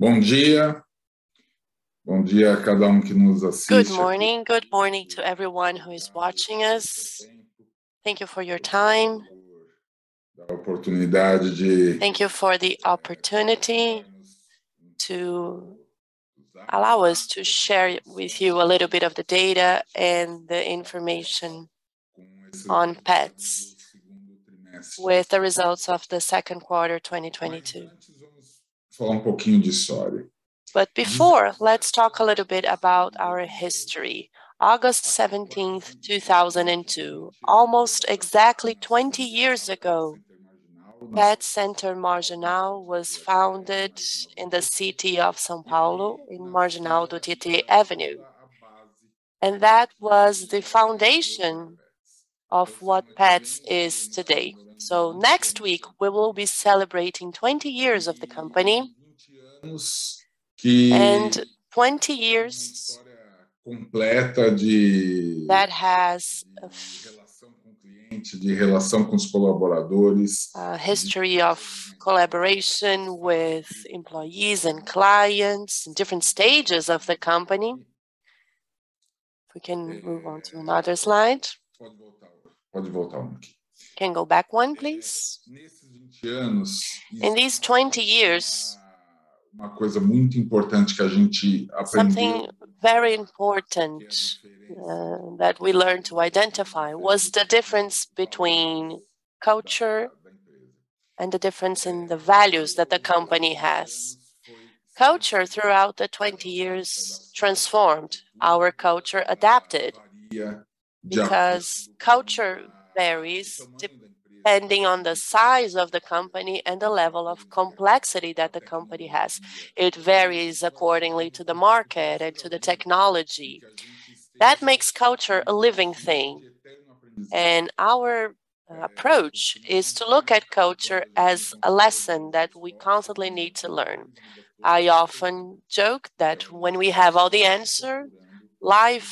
Good morning. Good morning to everyone who is watching us. Thank you for your time. Thank you for the opportunity to allow us to share with you a little bit of the data and the information on Petz with the results of the second quarter 2022. Before, let's talk a little bit about our history. August 17th, 2002, almost exactly 20 years ago, Pet Center Marginal was founded in the city of São Paulo in Marginal do Tietê Avenue. That was the foundation of what Petz is today. Next week we will be celebrating 20 years of the company and 20 years that has a history of collaboration with employees and clients in different stages of the company. If we can move on to another slide. Can go back one, please. In these 20 years, something very important that we learned to identify was the difference between culture and the difference in the values that the company has. Culture throughout the 20 years transformed. Our culture adapted. Because culture varies depending on the size of the company and the level of complexity that the company has. It varies according to the market and to the technology. That makes culture a living thing, and our approach is to look at culture as a lesson that we constantly need to learn. I often joke that when we have all the answer, life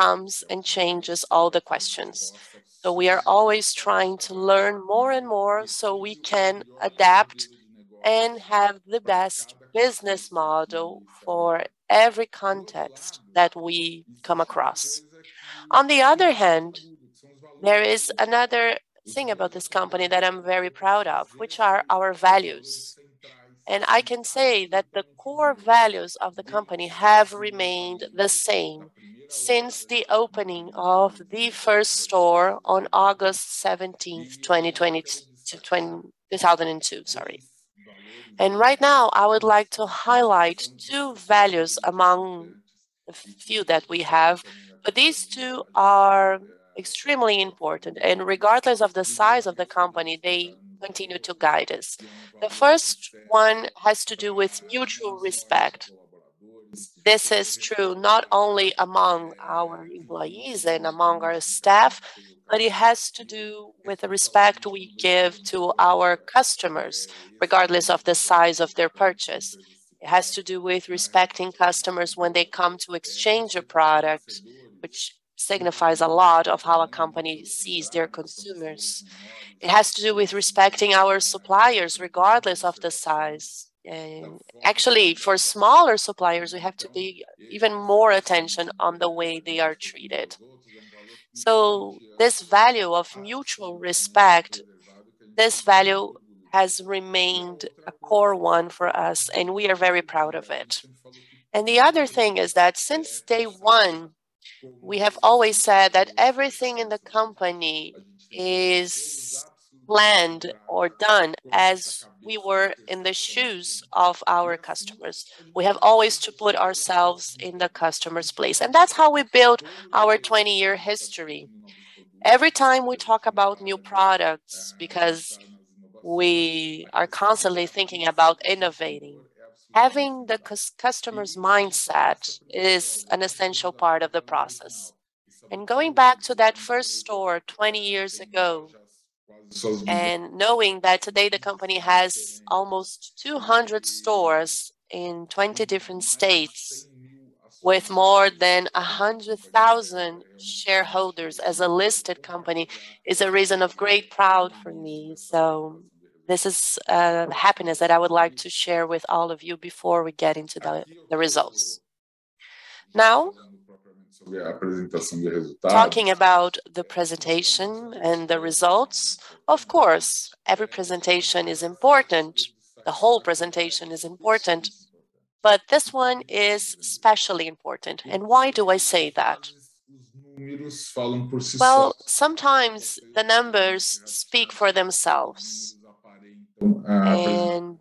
comes and changes all the questions. We are always trying to learn more and more so we can adapt and have the best business model for every context that we come across. On the other hand, there is another thing about this company that I'm very proud of, which are our values. I can say that the core values of the company have remained the same since the opening of the first store on August 17, 2002, sorry. Right now I would like to highlight two values among a few that we have, but these two are extremely important, and regardless of the size of the company, they continue to guide us. The first one has to do with mutual respect. This is true not only among our employees and among our staff, but it has to do with the respect we give to our customers, regardless of the size of their purchase. It has to do with respecting customers when they come to exchange a product, which signifies a lot of how a company sees their consumers. It has to do with respecting our suppliers, regardless of the size. Actually, for smaller suppliers, we have to pay even more attention on the way they are treated. This value of mutual respect, this value has remained a core one for us, and we are very proud of it. The other thing is that since day one, we have always said that everything in the company is planned or done as we were in the shoes of our customers. We have always to put ourselves in the customer's place, and that's how we built our 20-year history. Every time we talk about new products, because we are constantly thinking about innovating, having the customer's mindset is an essential part of the process. Going back to that first store 20 years ago and knowing that today the company has almost 200 stores in 20 different states with more than 100,000 shareholders as a listed company is a reason of great pride for me. This is happiness that I would like to share with all of you before we get into the results. Now, talking about the presentation and the results, of course, every presentation is important. The whole presentation is important, but this one is especially important. Why do I say that? Well, sometimes the numbers speak for themselves, and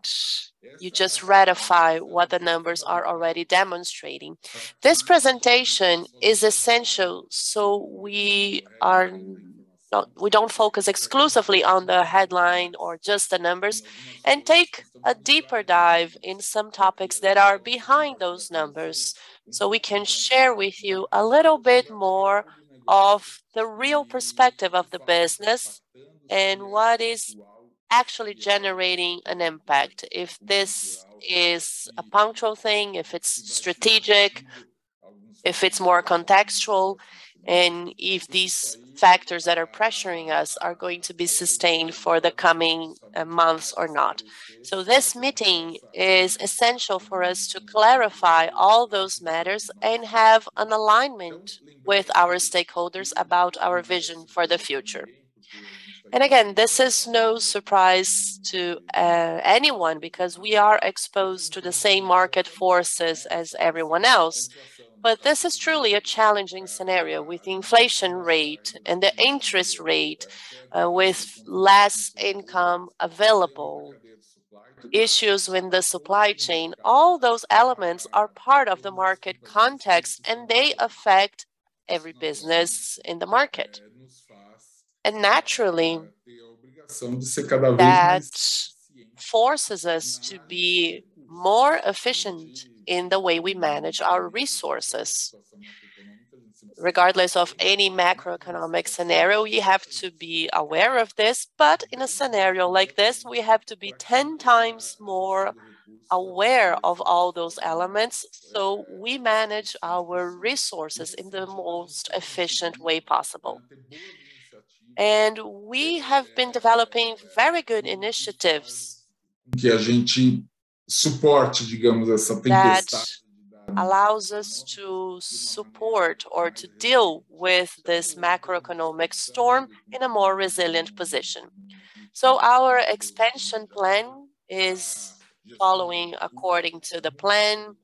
you just ratify what the numbers are already demonstrating. This presentation is essential, so we don't focus exclusively on the headline or just the numbers and take a deeper dive in some topics that are behind those numbers, so we can share with you a little bit more of the real perspective of the business and what is actually generating an impact. If this is a punctual thing, if it's strategic. If it's more contextual and if these factors that are pressuring us are going to be sustained for the coming months or not. This meeting is essential for us to clarify all those matters and have an alignment with our stakeholders about our vision for the future. Again, this is no surprise to anyone because we are exposed to the same market forces as everyone else. This is truly a challenging scenario with inflation rate and the interest rate, with less income available, issues with the supply chain. All those elements are part of the market context, and they affect every business in the market. Naturally, that forces us to be more efficient in the way we manage our resources. Regardless of any macroeconomic scenario, we have to be aware of this. In a scenario like this, we have to be 10 times more aware of all those elements, so we manage our resources in the most efficient way possible. We have been developing very good initiatives that allows us to support or to deal with this macroeconomic storm in a more resilient position. Our expansion plan is following according to the plan.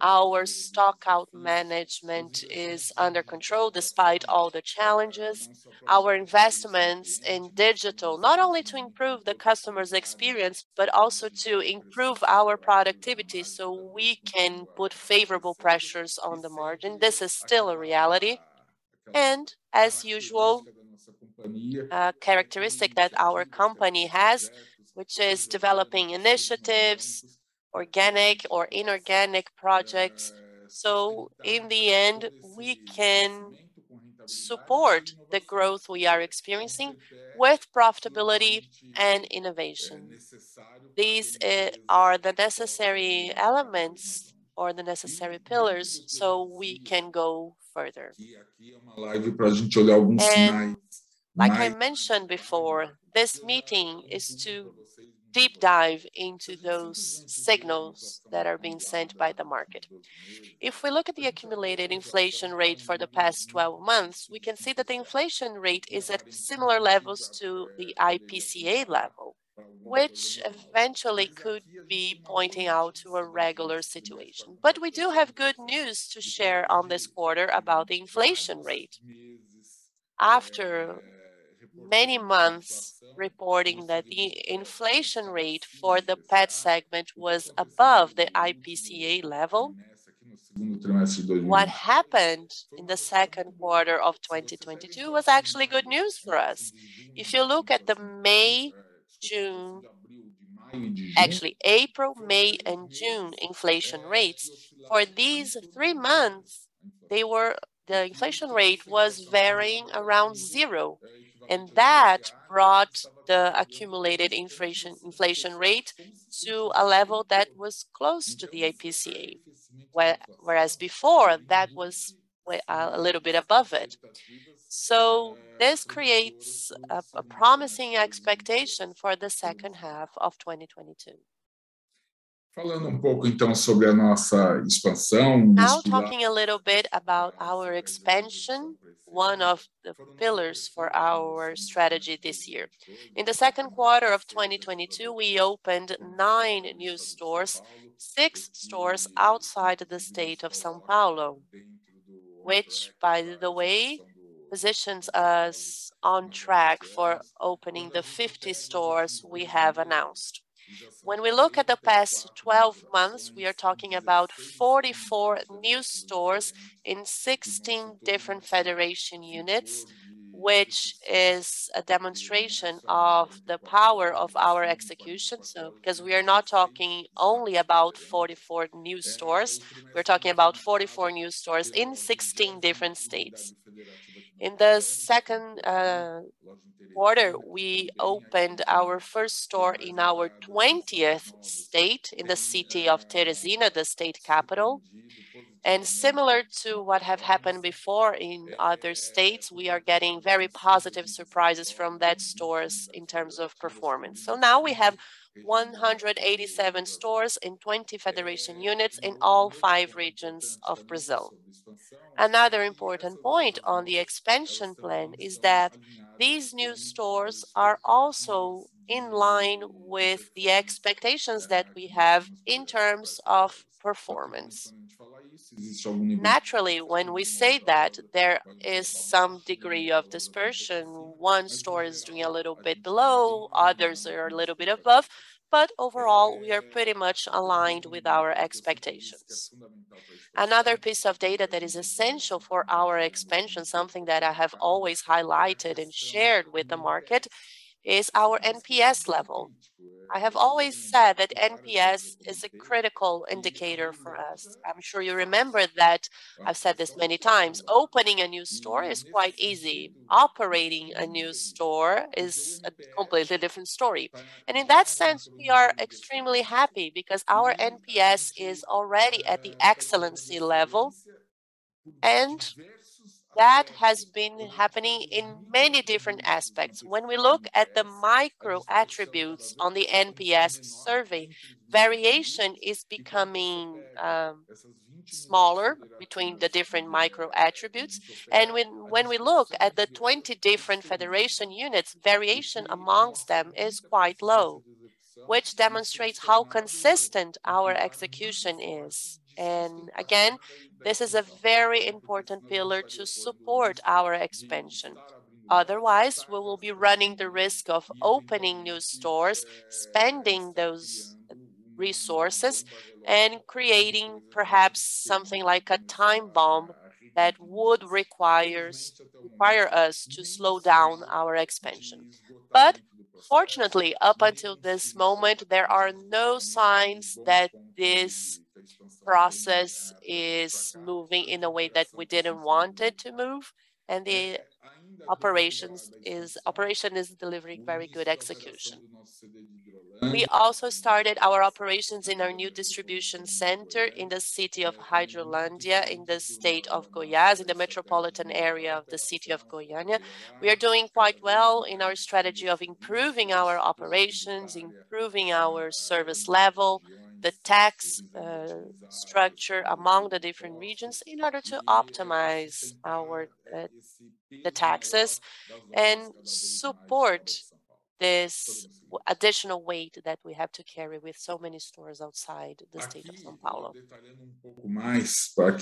Our stockout management is under control despite all the challenges. Our investments in digital, not only to improve the customer's experience, but also to improve our productivity so we can put favorable pressures on the margin. This is still a reality, and as usual, a characteristic that our company has, which is developing initiatives, organic or inorganic projects. In the end, we can support the growth we are experiencing with profitability and innovation. These are the necessary elements or the necessary pillars so we can go further. Like I mentioned before, this meeting is to deep dive into those signals that are being sent by the market. If we look at the accumulated inflation rate for the past 12 months, we can see that the inflation rate is at similar levels to the IPCA level, which eventually could be pointing out to a regular situation. We do have good news to share on this quarter about the inflation rate. After many months reporting that the inflation rate for the pet segment was above the IPCA level, what happened in the second quarter of 2022 was actually good news for us. If you look at the April, May and June inflation rates, for these three months, they were the inflation rate was varying around zero, and that brought the accumulated inflation rate to a level that was close to the IPCA, whereas before, that was way a little bit above it. This creates a promising expectation for the second half of 2022. Now talking a little bit about our expansion, one of the pillars for our strategy this year. In the second quarter of 2022, we opened nine new stores, six stores outside the state of São Paulo, which by the way, positions us on track for opening the 50 stores we have announced. When we look at the past 12 months, we are talking about 44 new stores in 16 different federation units, which is a demonstration of the power of our execution. Because we are not talking only about 44 new stores, we're talking about 44 new stores in 16 different states. In the second quarter, we opened our first store in our 20th state in the city of Teresina, the state capital. Similar to what have happened before in other states, we are getting very positive surprises from that stores in terms of performance. Now we have 187 stores in 20 federation units in all five regions of Brazil. Another important point on the expansion plan is that these new stores are also in line with the expectations that we have in terms of performance. Naturally, when we say that, there is some degree of dispersion. One store is doing a little bit below, others are a little bit above, but overall, we are pretty much aligned with our expectations. Another piece of data that is essential for our expansion, something that I have always highlighted and shared with the market, is our NPS level. I have always said that NPS is a critical indicator for us. I'm sure you remember that I've said this many times. Opening a new store is quite easy. Operating a new store is a completely different story. In that sense, we are extremely happy because our NPS is already at the excellence level. That has been happening in many different aspects. When we look at the micro attributes on the NPS survey, variation is becoming smaller between the different micro attributes. When we look at the 20 different federation units, variation among them is quite low, which demonstrates how consistent our execution is. Again, this is a very important pillar to support our expansion. Otherwise, we will be running the risk of opening new stores, spending those resources, and creating perhaps something like a time bomb that would require us to slow down our expansion. Fortunately, up until this moment, there are no signs that this process is moving in a way that we didn't want it to move, and the operation is delivering very good execution. We also started our operations in our new distribution center in the city of Hidrolândia, in the state of Goiás, in the metropolitan area of the city of Goiânia. We are doing quite well in our strategy of improving our operations, improving our service level, the tax structure among the different regions in order to optimize the taxes and support this additional weight that we have to carry with so many stores outside the state of São Paulo.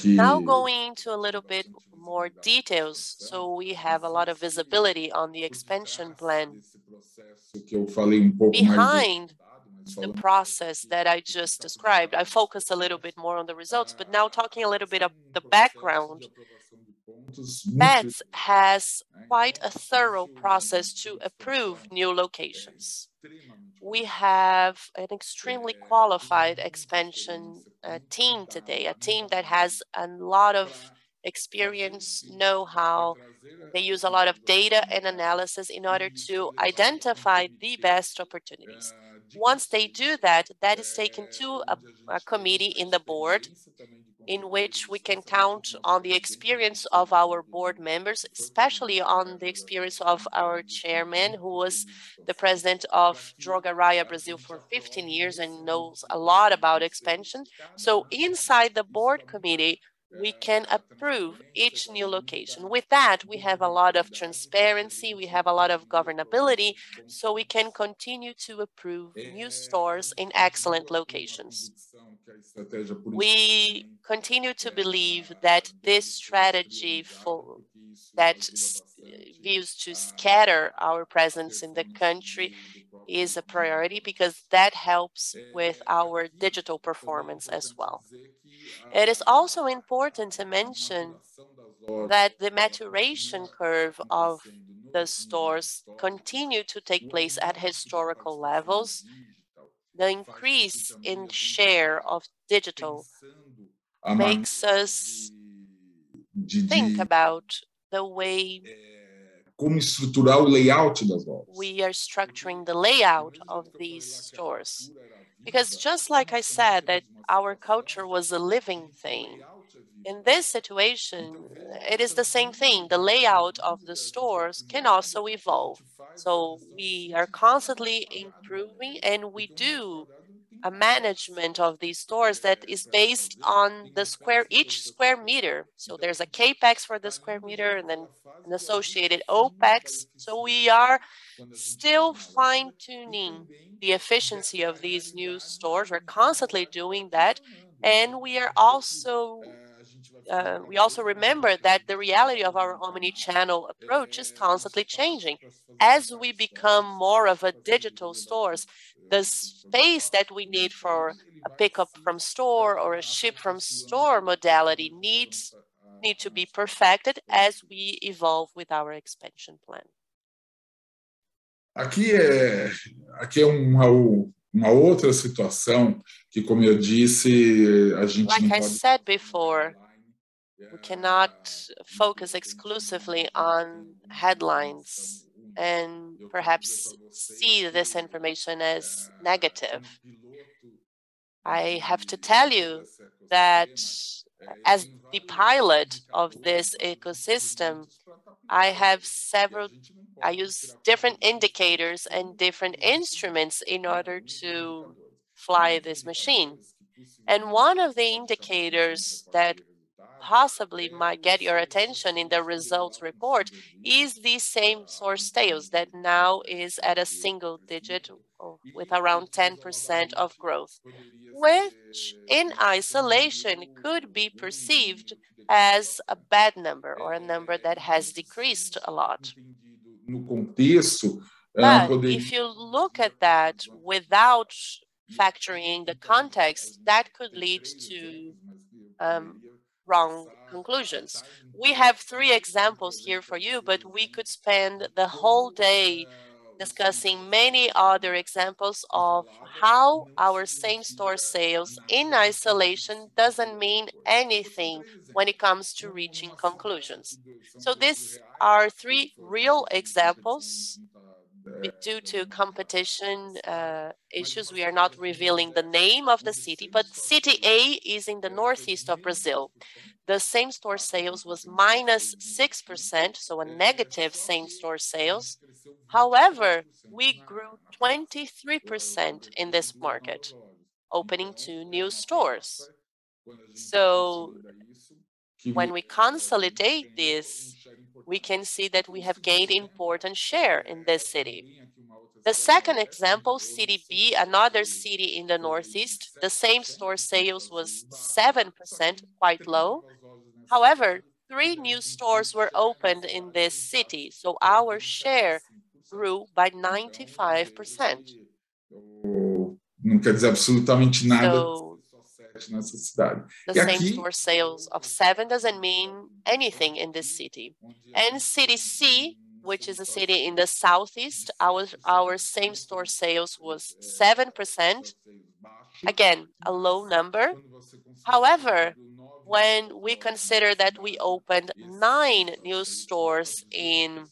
Now going into a little bit more details, so we have a lot of visibility on the expansion plan. Behind the process that I just described, I focused a little bit more on the results, but now talking a little bit of the background, Petz has quite a thorough process to approve new locations. We have an extremely qualified expansion team today, a team that has a lot of experience, know-how. They use a lot of data and analysis in order to identify the best opportunities. Once they do that is taken to a committee in the board, in which we can count on the experience of our board members, especially on the experience of our chairman, who was the president of Raia Drogasil Brazil for 15 years and knows a lot about expansion. Inside the board committee, we can approve each new location. With that, we have a lot of transparency, we have a lot of governance, so we can continue to approve new stores in excellent locations. We continue to believe that this strategy that serves to scatter our presence in the country is a priority because that helps with our digital performance as well. It is also important to mention that the maturation curve of the stores continue to take place at historical levels. The increase in share of digital makes us think about the way we are structuring the layout of these stores. Just like I said, that our culture was a living thing, in this situation, it is the same thing. The layout of the stores can also evolve. We are constantly improving, and we do a management of these stores that is based on the square, each square meter. There's a CapEx for the square meter and then an associated OpEx. We are still fine-tuning the efficiency of these new stores. We're constantly doing that. We are also, we also remember that the reality of our omnichannel approach is constantly changing. As we become more of a digital stores, the space that we need for a pickup from store or a ship from store modality need to be perfected as we evolve with our expansion plan. Like I said before, we cannot focus exclusively on headlines and perhaps see this information as negative. I have to tell you that as the pilot of this ecosystem, I use different indicators and different instruments in order to fly this machine. One of the indicators that possibly might get your attention in the results report is the same-store sales that now is at a single digit or with around 10% of growth, which in isolation could be perceived as a bad number or a number that has decreased a lot. If you look at that without factoring the context, that could lead to wrong conclusions. We have three examples here for you, but we could spend the whole day discussing many other examples of how our same-store sales in isolation doesn't mean anything when it comes to reaching conclusions. These are three real examples. Due to competition issues, we are not revealing the name of the city, but city A is in the northeast of Brazil. The same-store sales was -6%, so a negative same-store sales. However, we grew 23% in this market, opening two new stores. When we consolidate this, we can see that we have gained important share in this city. The second example, city B, another city in the northeast, the same-store sales was 7%, quite low. However, three new stores were opened in this city, so our share grew by 95%. The same-store sales of seven doesn't mean anything in this city. City C, which is a city in the southeast, our same-store sales was 7%, again, a low number. However, when we consider that we opened 9 new stores in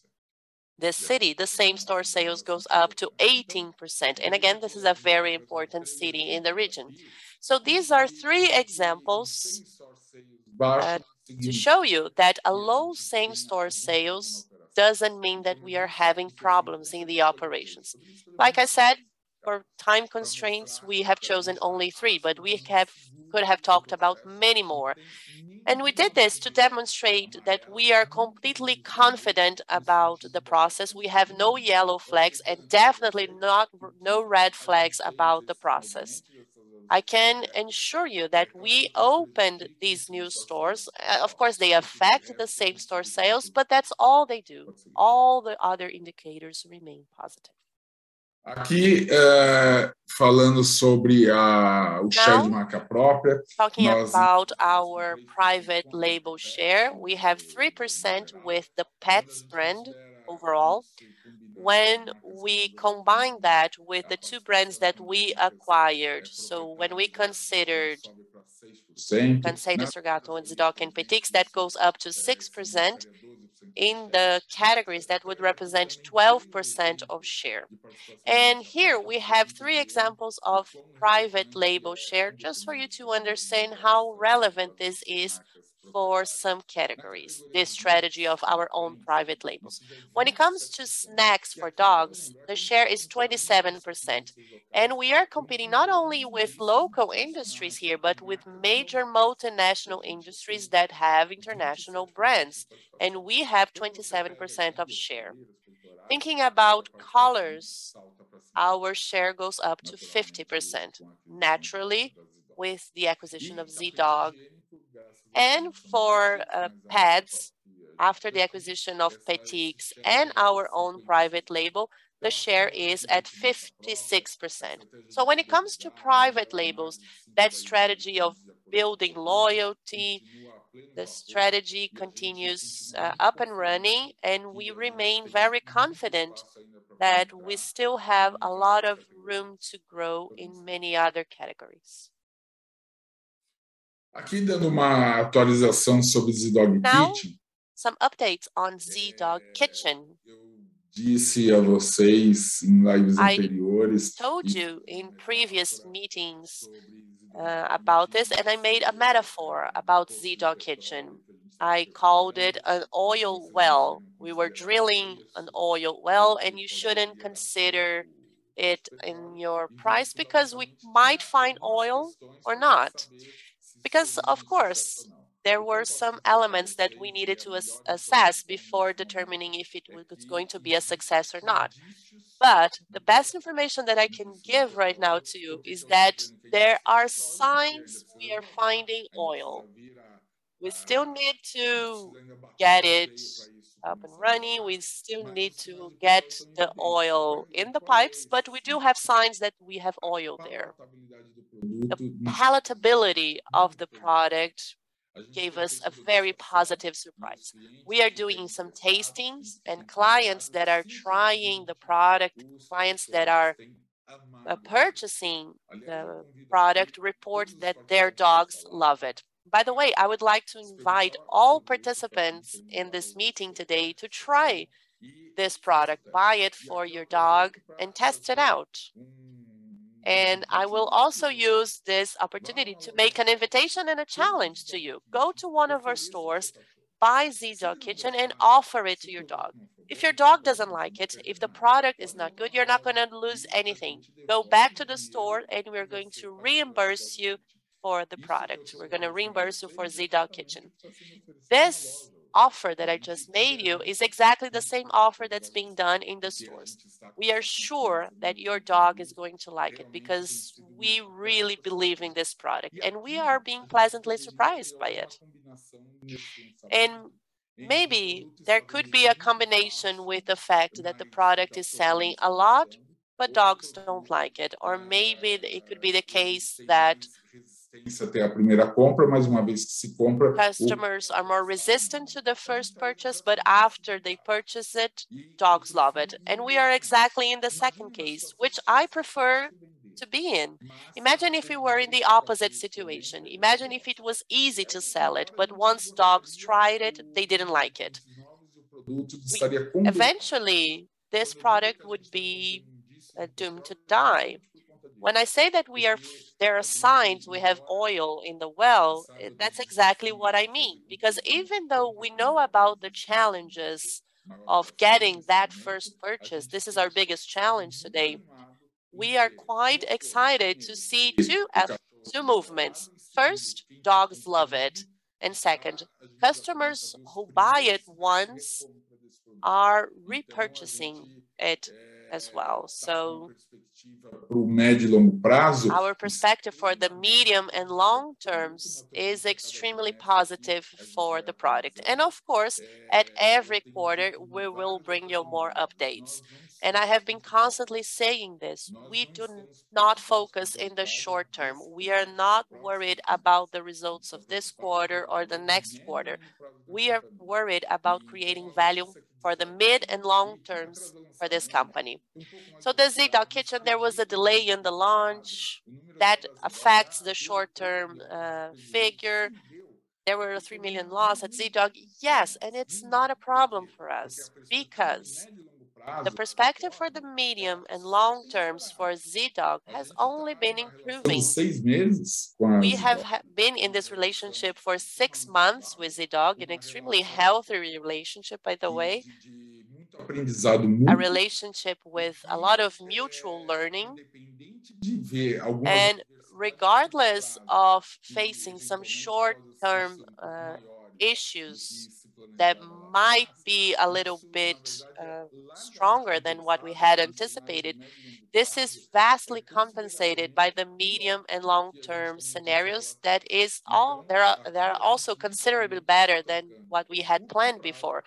this city, the same-store sales goes up to 18%. This is a very important city in the region. These are three examples to show you that a low same-store sales doesn't mean that we are having problems in the operations. Like I said, for time constraints, we have chosen only three, but we have could have talked about many more. We did this to demonstrate that we are completely confident about the process. We have no yellow flags and definitely not no red flags about the process. I can assure you that we opened these new stores, of course, they affect the same-store sales, but that's all they do. All the other indicators remain positive. Now talking about our private label share, we have 3% with the Petz brand overall. When we combine that with the two brands that we acquired, so when we considered Cansel de Ser Gato and Zee.Dog and Petix, that goes up to 6% in the categories that would represent 12% of share. Here we have three examples of private label share, just for you to understand how relevant this is for some categories, this strategy of our own private label. When it comes to snacks for dogs, the share is 27%, and we are competing not only with local industries here, but with major multinational industries that have international brands, and we have 27% of share. Thinking about collars, our share goes up to 50%, naturally with the acquisition of Zee.Dog. For pets, after the acquisition of Petix and our own private label, the share is at 56%. When it comes to private labels, that strategy of building loyalty, the strategy continues up and running, and we remain very confident that we still have a lot of room to grow in many other categories. Aqui dando uma atualização sobre Zee.Dog Kitchen. Now, some updates on Zee.Dog Kitchen. Eu disse a vocês em lives anteriores I told you in previous meetings about this, and I made a metaphor about Zee.Dog Kitchen. I called it an oil well. We were drilling an oil well, and you shouldn't consider it in your price because we might find oil or not. Because of course, there were some elements that we needed to assess before determining if it was going to be a success or not. The best information that I can give right now to you is that there are signs we are finding oil. We still need to get it up and running. We still need to get the oil in the pipes, but we do have signs that we have oil there. The palatability of the product gave us a very positive surprise. We are doing some tastings and clients that are trying the product, clients that are purchasing the product report that their dogs love it. By the way, I would like to invite all participants in this meeting today to try this product, buy it for your dog, and test it out. I will also use this opportunity to make an invitation and a challenge to you. Go to one of our stores, buy Zee.Dog Kitchen, and offer it to your dog. If your dog doesn't like it, if the product is not good, you're not gonna lose anything. Go back to the store, and we're going to reimburse you for the product. We're gonna reimburse you for Zee.Dog Kitchen. This offer that I just made you is exactly the same offer that's being done in the stores. We are sure that your dog is going to like it because we really believe in this product, and we are being pleasantly surprised by it. Maybe there could be a combination with the fact that the product is selling a lot, but dogs don't like it. Maybe it could be the case that customers are more resistant to the first purchase, but after they purchase it, dogs love it. We are exactly in the second case, which I prefer to be in. Imagine if we were in the opposite situation. Imagine if it was easy to sell it, but once dogs tried it, they didn't like it. Eventually, this product would be doomed to die. When I say that there are signs we have oil in the well, that's exactly what I mean. Because even though we know about the challenges of getting that first purchase, this is our biggest challenge today. We are quite excited to see two movements. First, dogs love it, and second, customers who buy it once are repurchasing it as well. Our perspective for the medium and long terms is extremely positive for the product. Of course, at every quarter we will bring you more updates. I have been constantly saying this, we do not focus in the short term. We are not worried about the results of this quarter or the next quarter. We are worried about creating value for the mid and long terms for this company. The Zee.Dog Kitchen, there was a delay in the launch that affects the short-term figure. There were 3 million loss at Zee.Dog. Yes, and it's not a problem for us because the perspective for the medium and long terms for Zee.Dog has only been improving. We have been in this relationship for six months with Zee.Dog, an extremely healthy relationship by the way, a relationship with a lot of mutual learning. Regardless of facing some short-term issues that might be a little bit stronger than what we had anticipated, this is vastly compensated by the medium and long-term scenarios. They are also considerably better than what we had planned before.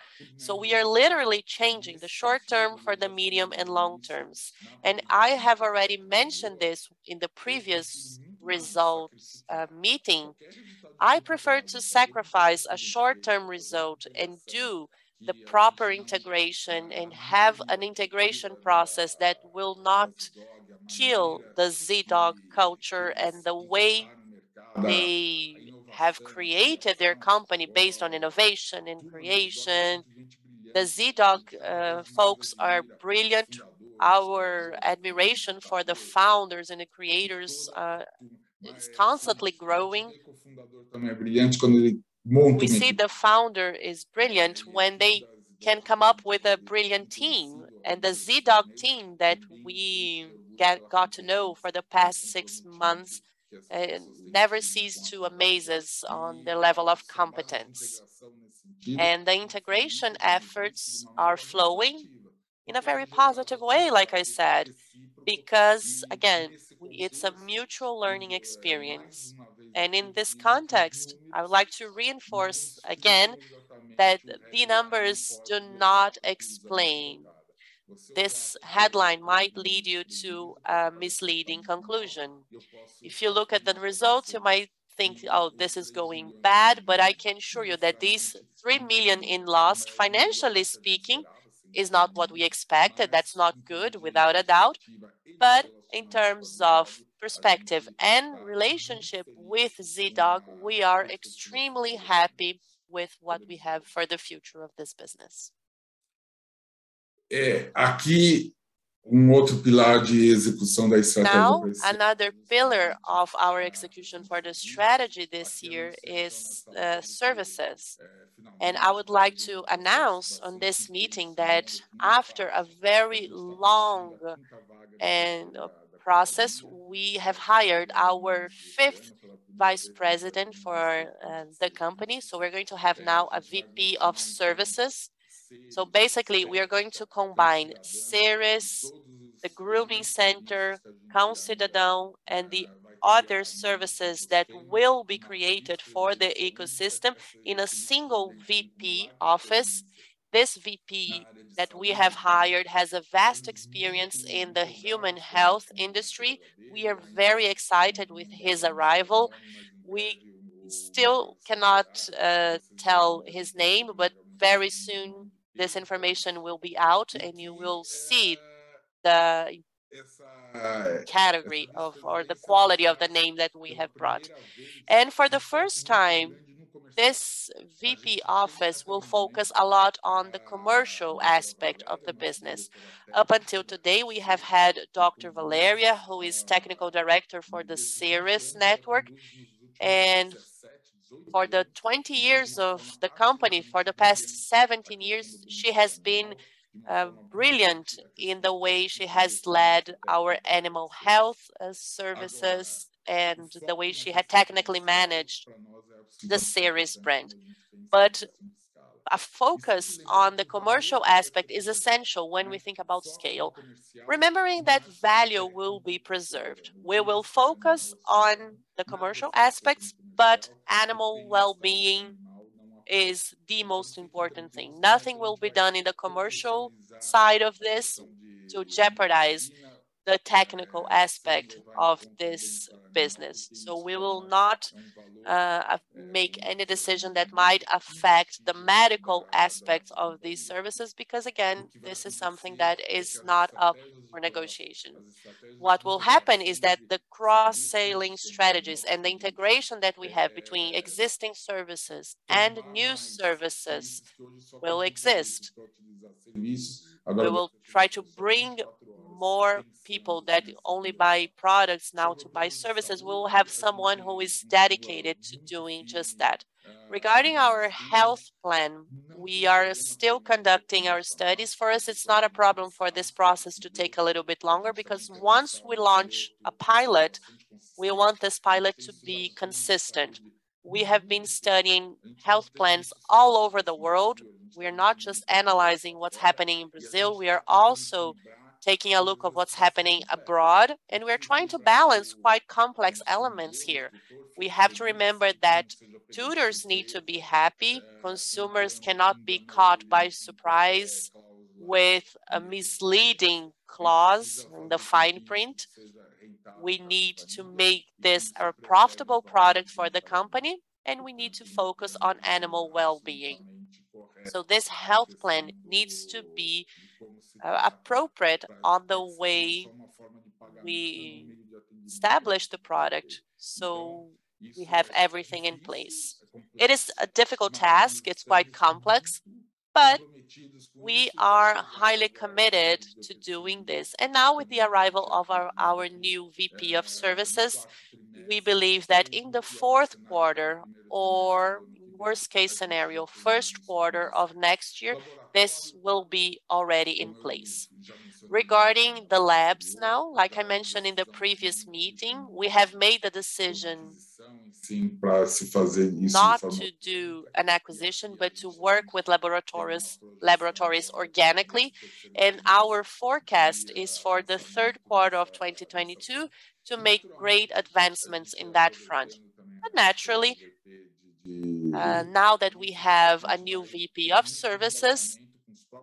We are literally changing the short term for the medium and long terms, and I have already mentioned this in the previous results meeting. I prefer to sacrifice a short-term result and do the proper integration and have an integration process that will not kill the Zee.Dog culture and the way they have created their company based on innovation and creation. The Zee.Dog folks are brilliant. Our admiration for the founders and the creators is constantly growing. We see the founder is brilliant when they can come up with a brilliant team, and the Zee.Dog team that we got to know for the past six months never cease to amaze us on their level of competence. The integration efforts are flowing in a very positive way, like I said, because again, it's a mutual learning experience. In this context, I would like to reinforce again that the numbers do not explain. This headline might lead you to a misleading conclusion. If you look at the results, you might think, "Oh, this is going bad," but I can assure you that these 3 million in loss, financially speaking, is not what we expected. That's not good, without a doubt. In terms of perspective and relationship with Zee.Dog, we are extremely happy with what we have for the future of this business. Now, another pillar of our execution for the strategy this year is services. I would like to announce on this meeting that after a very long process, we have hired our fifth vice president for the company. We're going to have now a VP of services. Basically we are going to combine Seres, the grooming center, Cão Cidadão, and the other services that will be created for the ecosystem in a single VP office. This VP that we have hired has a vast experience in the human health industry. We are very excited with his arrival. We still cannot tell his name, but very soon this information will be out and you will see the category of or the quality of the name that we have brought. For the first time, this VP office will focus a lot on the commercial aspect of the business. Up until today, we have had Dr. Valeria, who is Technical Director for the Seres network. For the 20 years of the company, for the past 17 years, she has been brilliant in the way she has led our animal health services and the way she had technically managed the Seres brand. A focus on the commercial aspect is essential when we think about scale. Remembering that value will be preserved. We will focus on the commercial aspects, but animal well-being is the most important thing. Nothing will be done in the commercial side of this to jeopardize the technical aspect of this business. We will not make any decision that might affect the medical aspects of these services because, again, this is something that is not up for negotiations. What will happen is that the cross-selling strategies and the integration that we have between existing services and new services will exist. We will try to bring more people that only buy products now to buy services. We will have someone who is dedicated to doing just that. Regarding our health plan, we are still conducting our studies. For us, it's not a problem for this process to take a little bit longer because once we launch a pilot, we want this pilot to be consistent. We have been studying health plans all over the world. We're not just analyzing what's happening in Brazil, we are also taking a look at what's happening abroad, and we're trying to balance quite complex elements here. We have to remember that tutors need to be happy. Consumers cannot be caught by surprise with a misleading clause in the fine print. We need to make this a profitable product for the company, and we need to focus on animal wellbeing. This health plan needs to be appropriate on the way we establish the product so we have everything in place. It is a difficult task. It's quite complex, but we are highly committed to doing this. Now with the arrival of our new VP of services, we believe that in the fourth quarter, or worst case scenario, first quarter of next year, this will be already in place. Regarding the labs now, like I mentioned in the previous meeting, we have made the decision not to do an acquisition but to work with laboratories organically. Our forecast is for the third quarter of 2022 to make great advancements in that front. Naturally, now that we have a new VP of services,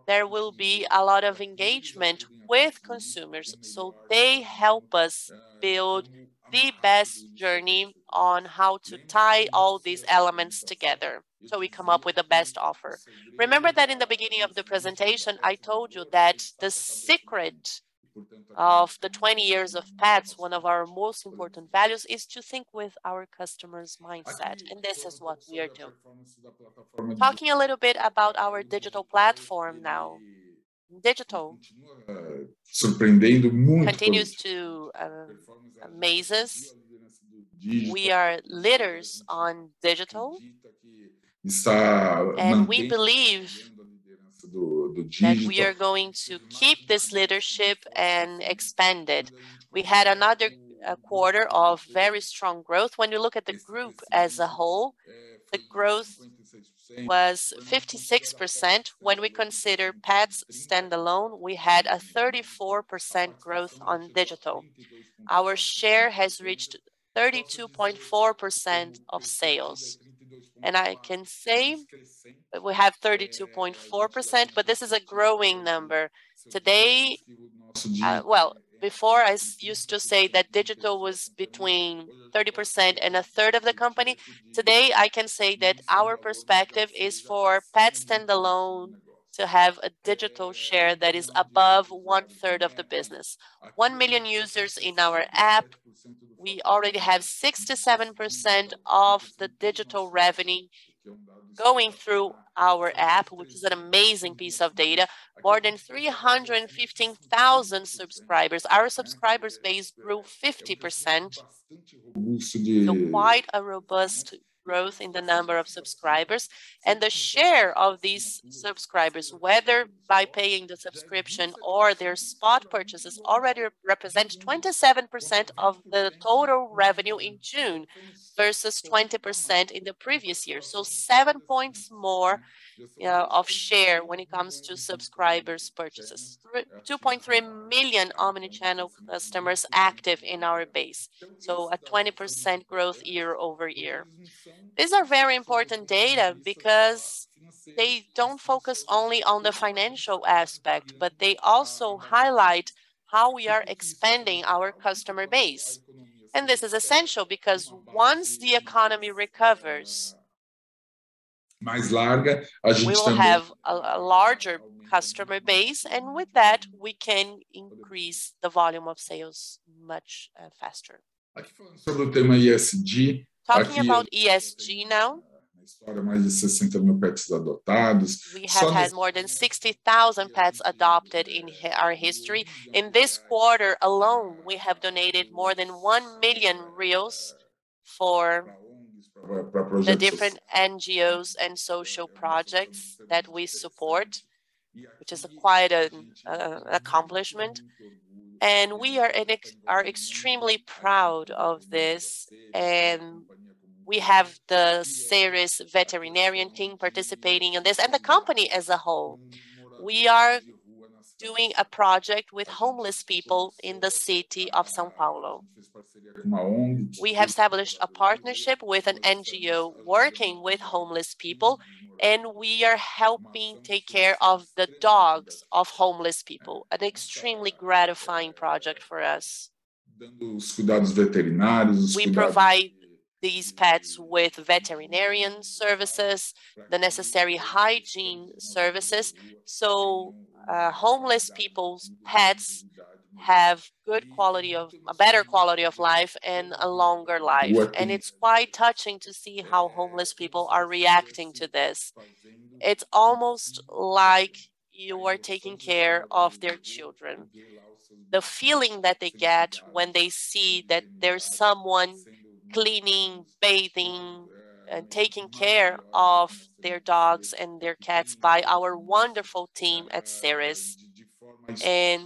there will be a lot of engagement with consumers so they help us build the best journey on how to tie all these elements together so we come up with the best offer. Remember that in the beginning of the presentation I told you that the secret of the 20 years of Petz, one of our most important values is to think with our customers' mindset, and this is what we are doing. Talking a little bit about our digital platform now. Digital continues to amaze us. We are leaders on digital. We believe that we are going to keep this leadership and expand it. We had another quarter of very strong growth. When you look at the group as a whole, the growth was 56%. When we consider Petz standalone, we had a 34% growth on digital. Our share has reached 32.4% of sales, and I can say that we have 32.4%, but this is a growing number. Today, before I used to say that digital was between 30% and a third of the company. Today, I can say that our perspective is for Petz standalone to have a digital share that is above one-third of the business. 1 million users in our app. We already have 67% of the digital revenue going through our app, which is an amazing piece of data. More than 315,000 subscribers. Our subscriber base grew 50%, so quite a robust growth in the number of subscribers. The share of these subscribers, whether by paying the subscription or their spot purchases already represent 27% of the total revenue in June versus 20% in the previous year. 7 points more, you know, of share when it comes to subscribers' purchases. 2.3 million omni-channel customers active in our base, so a 20% growth year-over-year. These are very important data because they don't focus only on the financial aspect, but they also highlight how we are expanding our customer base. This is essential because once the economy recovers, we will have a larger customer base, and with that we can increase the volume of sales much faster. Talking about ESG now, we have had more than 60,000 pets adopted in our history. In this quarter alone, we have donated more than 1 million for the different NGOs and social projects that we support, which is quite an accomplishment, and we are extremely proud of this. We have the Seres veterinarian team participating in this, and the company as a whole. We are doing a project with homeless people in the city of São Paulo. We have established a partnership with an NGO working with homeless people, and we are helping take care of the dogs of homeless people, an extremely gratifying project for us. We provide these pets with veterinarian services, the necessary hygiene services, so, homeless people's pets have good quality of a better quality of life and a longer life. It's quite touching to see how homeless people are reacting to this. It's almost like you are taking care of their children. The feeling that they get when they see that there's someone cleaning, bathing, and taking care of their dogs and their cats by our wonderful team at Seres, and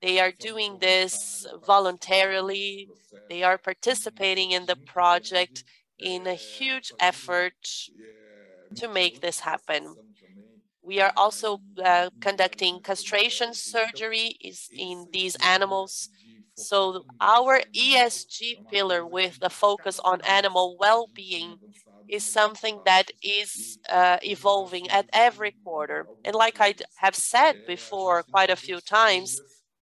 they are doing this voluntarily. They are participating in the project in a huge effort to make this happen. We are also conducting castration surgery in these animals. Our ESG pillar with the focus on animal well-being is something that is evolving at every quarter. Like I have said before quite a few times,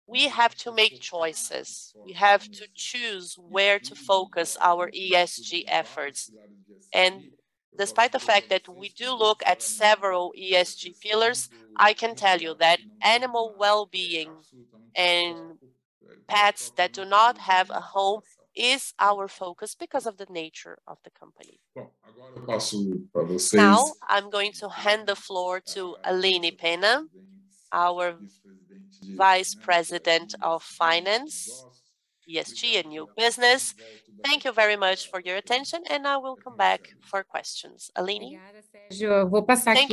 we have to make choices. We have to choose where to focus our ESG efforts. Despite the fact that we do look at several ESG pillars, I can tell you that animal well-being and pets that do not have a home is our focus because of the nature of the company. Now I'm going to hand the floor to Aline Penna, our Vice President of Finance, ESG, and New Business. Thank you very much for your attention, and I will come back for questions. Aline. Thank you,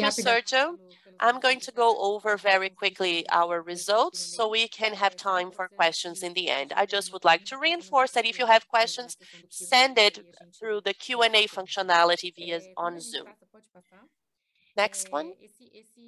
Sergio. I'm going to go over very quickly our results so we can have time for questions in the end. I just would like to reinforce that if you have questions, send it through the Q&A functionality via on Zoom. Next one.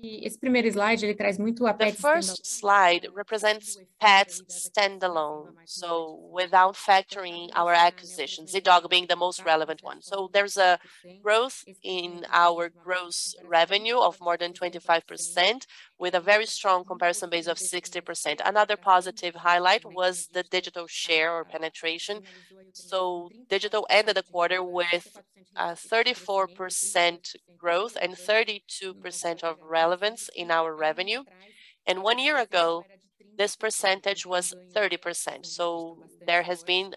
The first slide represents Petz standalone, so without factoring our acquisitions, Zee.Dog being the most relevant one. There's a growth in our gross revenue of more than 25% with a very strong comparison base of 60%. Another positive highlight was the digital share or penetration. Digital ended the quarter with 34% growth and 32% of relevance in our revenue. One year ago, this percentage was 30%, so there has been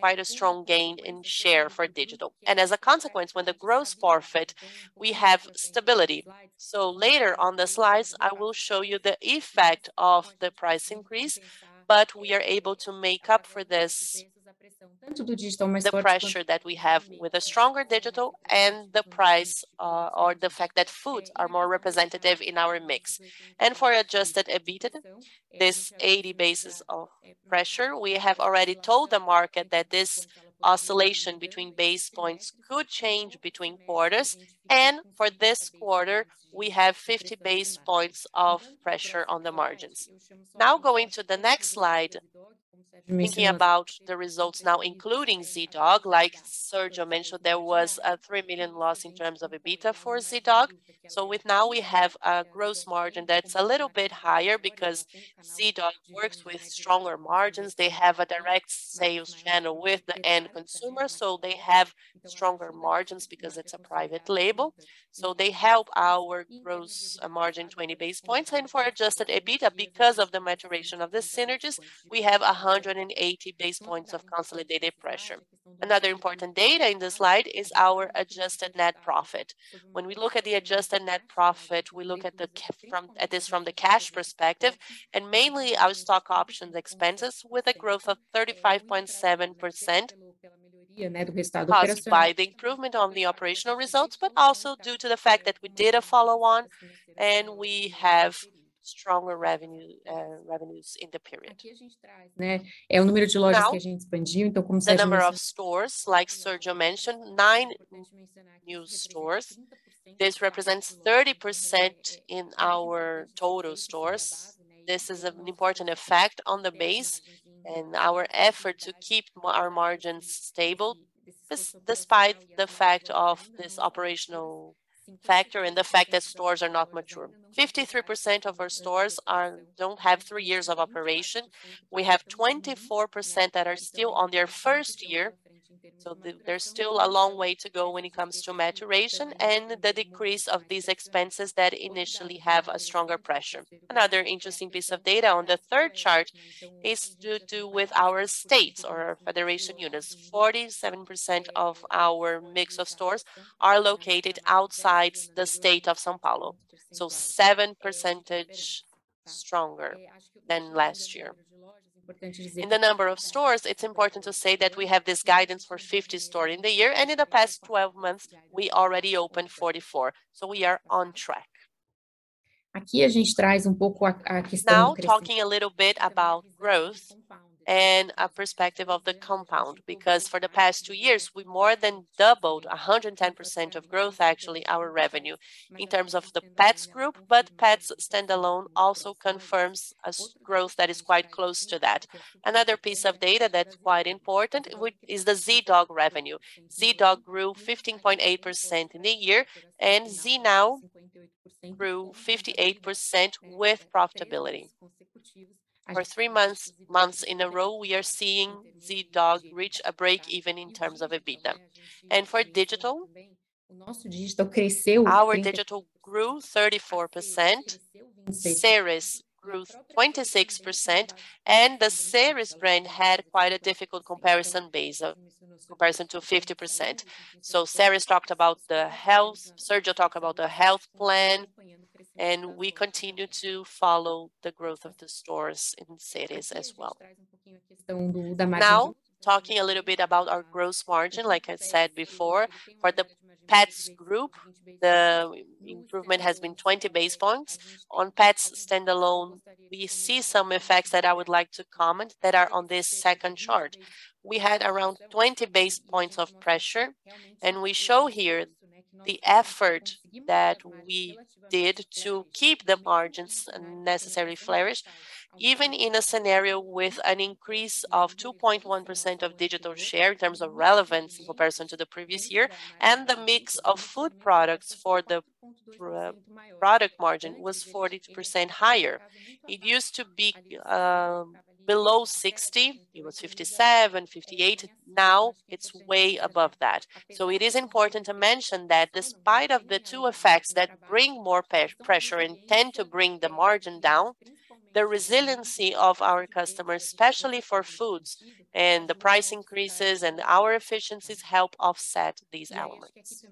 quite a strong gain in share for digital. As a consequence, when the gross profit, we have stability. Later on the slides, I will show you the effect of the price increase, but we are able to make up for this, the pressure that we have with a stronger digital and the price, or the fact that foods are more representative in our mix. For adjusted EBITDA, this 80 basis points of pressure, we have already told the market that this oscillation between basis points could change between quarters. For this quarter, we have 50 basis points of pressure on the margins. Now going to the next slide, thinking about the results now including Zee.Dog, like Sergio mentioned, there was a 3 million loss in terms of EBITDA for Zee.Dog. With now we have a gross margin that's a little bit higher because Zee.Dog works with stronger margins. They have a direct sales channel with the end consumer, so they have stronger margins because it's a private label. They help our gross margin 20 basis points. For adjusted EBITDA, because of the maturation of the synergies, we have 180 basis points of consolidated expansion. Another important data in this slide is our adjusted net profit. When we look at the adjusted net profit, we look at this from the cash perspective, and mainly our stock options expenses with a growth of 35.7% caused by the improvement on the operational results, but also due to the fact that we did a follow-on, and we have stronger revenues in the period. Now, the number of stores, like Sergio mentioned, nine new stores. This represents 30% in our total stores. This is an important effect on the base and our effort to keep our margins stable despite the fact of this operational factor and the fact that stores are not mature. 53% of our stores don't have three years of operation. We have 24% that are still on their first year, so there's still a long way to go when it comes to maturation and the decrease of these expenses that initially have a stronger pressure. Another interesting piece of data on the third chart is to do with our states or federation units. 47% of our mix of stores are located outside the state of São Paulo, so 7% stronger than last year. In the number of stores, it's important to say that we have this guidance for 50 stores in the year, and in the past 12 months, we already opened 44, so we are on track. Now talking a little bit about growth and our perspective of the compounding, because for the past two years we've more than doubled 110% of growth, actually our revenue in terms of the Petz group. Petz standalone also confirms a growth that is quite close to that. Another piece of data that's quite important is the Zee.Dog revenue. Zee.Dog grew 15.8% in the year, and Zee.Now grew 58% with profitability. For three months in a row, we are seeing Zee.Dog reach a break even in terms of EBITDA. For digital, our digital grew 34%, Seres grew 26%, and the Seres brand had quite a difficult comparison base of comparison to 50%. Seres talked about the health, Sergio talked about the health plan, and we continue to follow the growth of the stores in cities as well. Now talking a little bit about our gross margin, like I said before, for the Petz group, the improvement has been 20 basis points. On Petz standalone, we see some effects that I would like to comment that are on this second chart. We had around 20 basis points of pressure, and we show here the effort that we did to keep the margins necessarily flourished, even in a scenario with an increase of 2.1% of digital share in terms of relevance in comparison to the previous year. The mix of food products for the product margin was 40% higher. It used to be below 60%. It was 57%, 58%. Now it's way above that. It is important to mention that despite of the two effects that bring more pressure and tend to bring the margin down, the resiliency of our customers, especially for foods and the price increases and our efficiencies help offset these elements.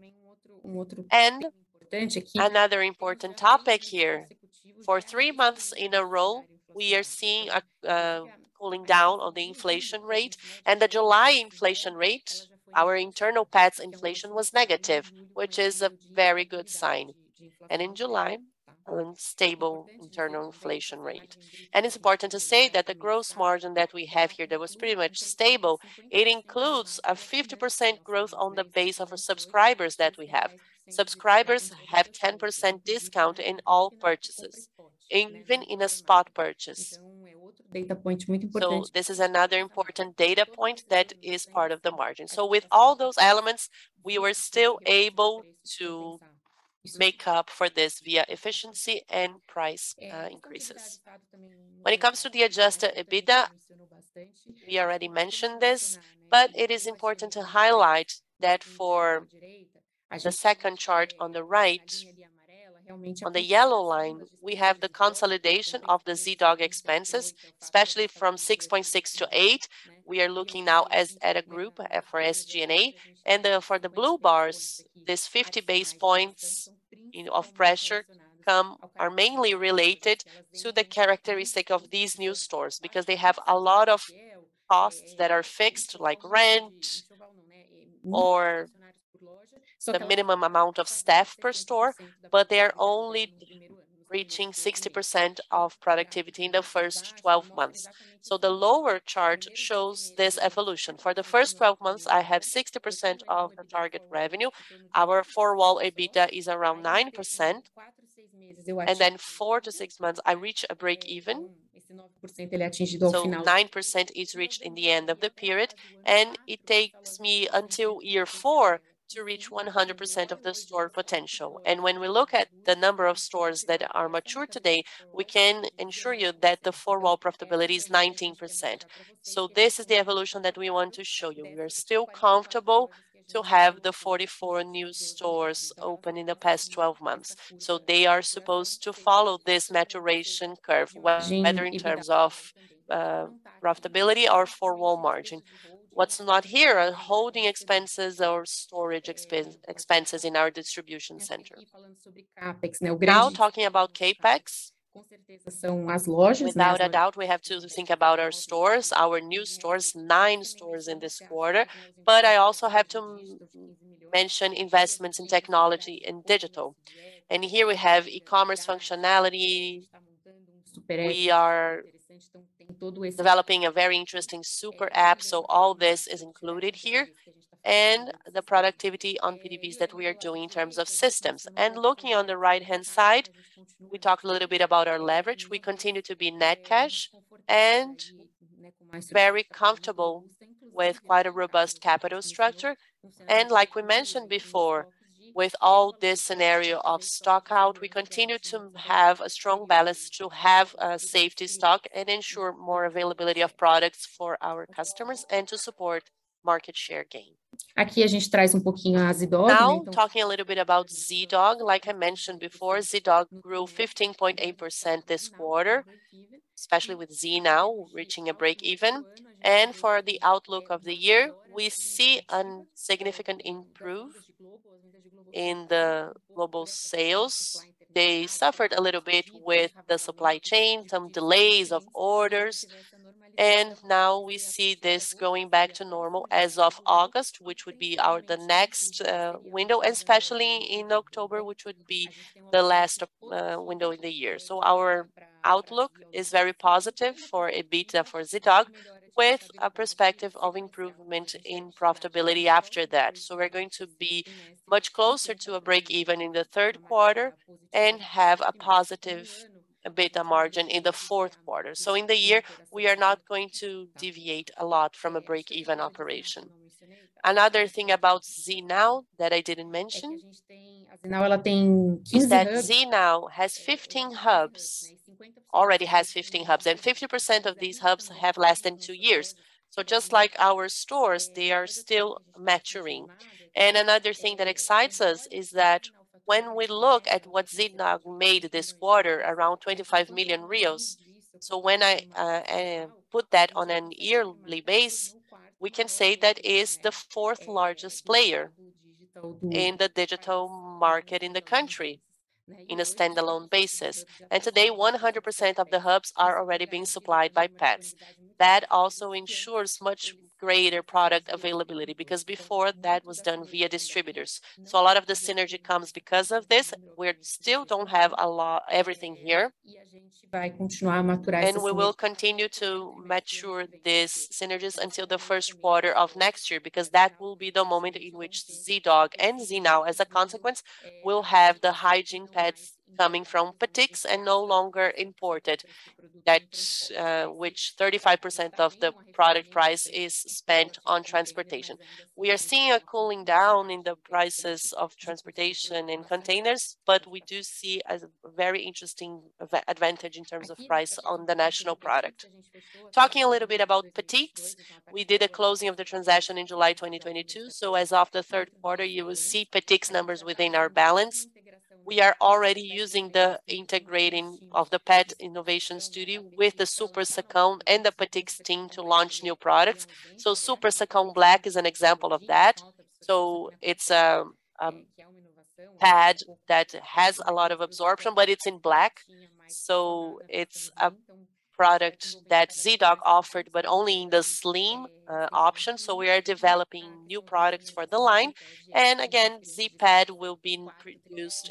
Another important topic here. For three months in a row, we are seeing a cooling down on the inflation rate. The July inflation rate, our internal Petz inflation was negative, which is a very good sign. In July, an unstable internal inflation rate. It's important to say that the gross margin that we have here, that was pretty much stable. It includes a 50% growth on the base of subscribers that we have. Subscribers have 10% discount in all purchases, even in a spot purchase. This is another important data point that is part of the margin. With all those elements, we were still able to make up for this via efficiency and price increases. When it comes to the adjusted EBITDA, we already mentioned this, but it is important to highlight that for the second chart on the right, on the yellow line, we have the consolidation of the Zee.Dog expenses, especially from 6.6% to 8%. We are looking now as at a group for SG&A. Then for the blue bars, this 50 basis points of pressure come. Are mainly related to the characteristic of these new stores because they have a lot of costs that are fixed, like rent or the minimum amount of staff per store, but they are only reaching 60% of productivity in the first 12 months. The lower chart shows this evolution. For the first 12 months, I have 60% of the target revenue. Our four-wall EBITDA is around 9%. Four to six months, I reach a breakeven. 9% is reached in the end of the period, and it takes me until year four to reach 100% of the store potential. When we look at the number of stores that are mature today, we can assure you that the four-wall profitability is 19%. This is the evolution that we want to show you. We are still comfortable to have the 44 new stores open in the past 12 months. They are supposed to follow this maturation curve, whether in terms of profitability or four-wall margin. What's not here are holding expenses or storage expenses in our distribution center. Now talking about CapEx, without a doubt, we have to think about our stores, our new stores, 9 stores in this quarter. I also have to mention investments in technology and digital. Here we have e-commerce functionality. We are developing a very interesting super app. All this is included here. The productivity on PDVs that we are doing in terms of systems. Looking on the right-hand side, we talk a little bit about our leverage. We continue to be net cash and very comfortable with quite a robust capital structure. Like we mentioned before, with all this scenario of stock out, we continue to have a strong balance to have a safety stock and ensure more availability of products for our customers and to support market share gain. Now talking a little bit about Zee.Dog. Like I mentioned before, Zee.Dog grew 15.8% this quarter, especially with Zee.Now reaching a break even. For the outlook of the year, we see a significant improvement in the global sales. They suffered a little bit with the supply chain, some delays of orders. Now we see this going back to normal as of August, which would be the next window, especially in October, which would be the last window in the year. Our outlook is very positive for EBITDA for Zee.Dog, with a perspective of improvement in profitability after that. We're going to be much closer to a break even in the third quarter and have a positive EBITDA margin in the fourth quarter. In the year, we are not going to deviate a lot from a break even operation. Another thing about Zee.Now that I didn't mention is that Zee Now has 15 hubs, and 50% of these hubs have less than two years. Just like our stores, they are still maturing. Another thing that excites us is that when we look at what Zee Dog made this quarter, around 25 million, so when I put that on a yearly base, we can say that is the fourth-largest player in the digital market in the country in a standalone basis. Today, 100% of the hubs are already being supplied by Petz. That also ensures much greater product availability, because before, that was done via distributors. A lot of the synergy comes because of this. We still don't have everything here. We will continue to mature these synergies until the first quarter of next year, because that will be the moment in which Zee.Dog and Zee.Now, as a consequence, will have the hygiene pads coming from Petix and no longer imported, that, which 35% of the product price is spent on transportation. We are seeing a cooling down in the prices of transportation in containers, but we do see a very interesting advantage in terms of price on the national product. Talking a little bit about Petix, we did a closing of the transaction in July 2022. As of the third quarter, you will see Petix numbers within our balance. We are already using the integration of the Pet Innovation Studio with the Super Secão and the Petix team to launch new products. Super Secão Black is an example of that. It's a pad that has a lot of absorption, but it's in black. It's a product that Zee.Dog offered, but only in the slim option. We are developing new products for the line. Again, Zee.Pad will be produced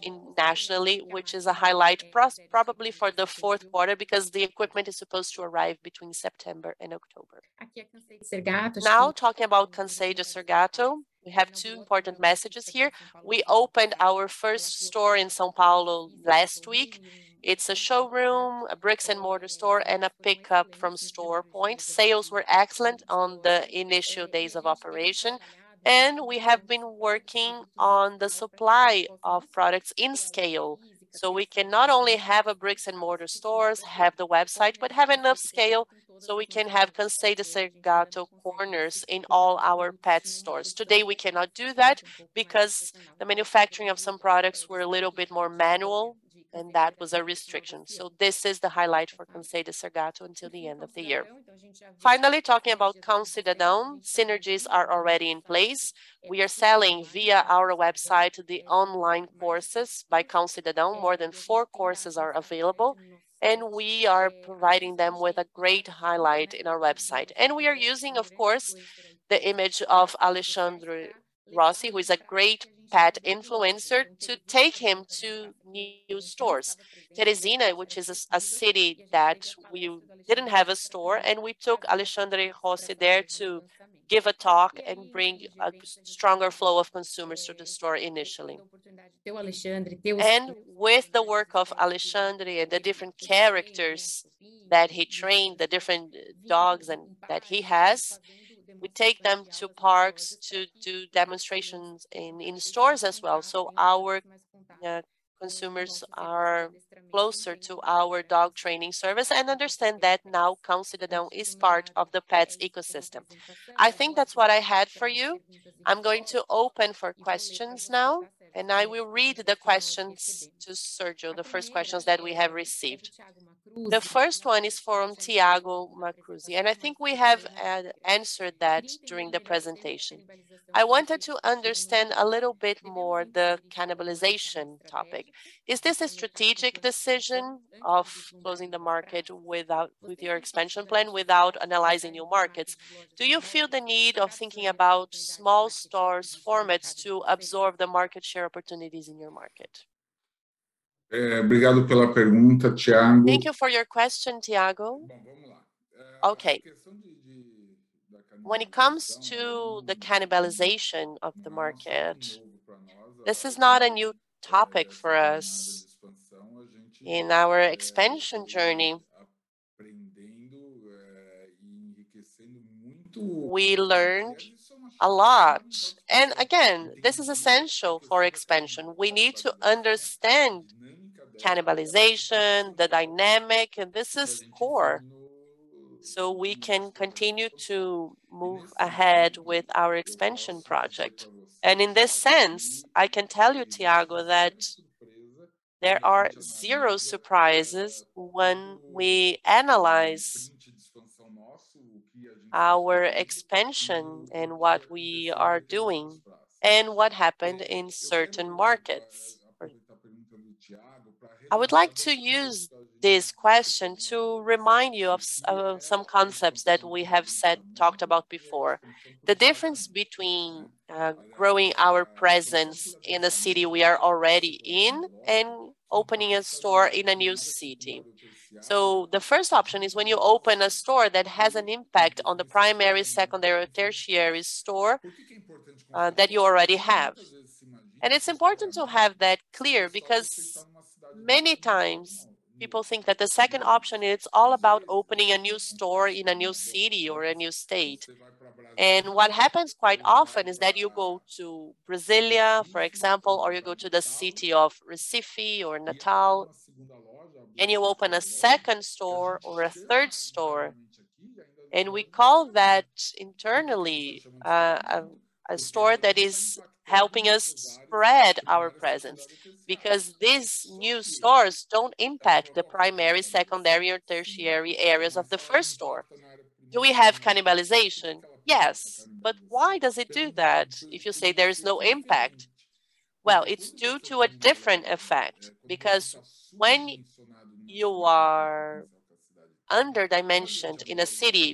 nationally, which is a highlight probably for the fourth quarter because the equipment is supposed to arrive between September and October. Now talking about Cansei de Ser Gato, we have two important messages here. We opened our first store in São Paulo last week. It's a showroom, a brick-and-mortar store, and a pickup from store point. Sales were excellent on the initial days of operation, and we have been working on the supply of products at scale. We can not only have brick-and-mortar stores, have the website, but have enough scale so we can have Cansei de Ser Gato corners in all our pet stores. Today, we cannot do that because the manufacturing of some products were a little bit more manual, and that was a restriction. This is the highlight for Cansei de Ser Gato until the end of the year. Finally, talking about Cão Cidadão, synergies are already in place. We are selling via our website the online courses by Cão Cidadão. More than four courses are available, and we are providing them with a great highlight in our website. We are using, of course, the image of Alexandre Rossi, who is a great pet influencer, to take him to new stores. Teresina, which is a city that we didn't have a store, and we took Alexandre Rossi there to give a talk and bring a stronger flow of consumers to the store initially. With the work of Alexandre, the different characters that he trained, the different dogs and that he has, we take them to parks to do demonstrations in stores as well. Our consumers are closer to our dog training service and understand that now Cão Cidadão is part of the Petz ecosystem. I think that's what I had for you. I'm going to open for questions now, and I will read the questions to Sergio, the first questions that we have received. The first one is from Thiago Macruz, and I think we have answered that during the presentation. I wanted to understand a little bit more the cannibalization topic. Is this a strategic decision of closing the market without, with your expansion plan, without analyzing new markets? Do you feel the need of thinking about small stores formats to absorb the market share opportunities in your market? Thank you for your question, Thiago. Okay. When it comes to the cannibalization of the market, this is not a new topic for us. In our expansion journey, we learned a lot. Again, this is essential for expansion. We need to understand cannibalization, the dynamic, and this is core so we can continue to move ahead with our expansion project. In this sense, I can tell you, Thiago, that there are zero surprises when we analyze our expansion and what we are doing and what happened in certain markets. I would like to use this question to remind you of some concepts that we have said, talked about before. The difference between growing our presence in a city we are already in and opening a store in a new city. The first option is when you open a store that has an impact on the primary, secondary, or tertiary store that you already have. It's important to have that clear because many times people think that the second option, it's all about opening a new store in a new city or a new state. What happens quite often is that you go to Brasília, for example, or you go to the city of Recife or Natal, and you open a second store or a third store, and we call that internally a store that is helping us spread our presence because these new stores don't impact the primary, secondary, or tertiary areas of the first store. Do we have cannibalization? Yes, but why does it do that if you say there's no impact? Well, it's due to a different effect because when you are under-dimensioned in a city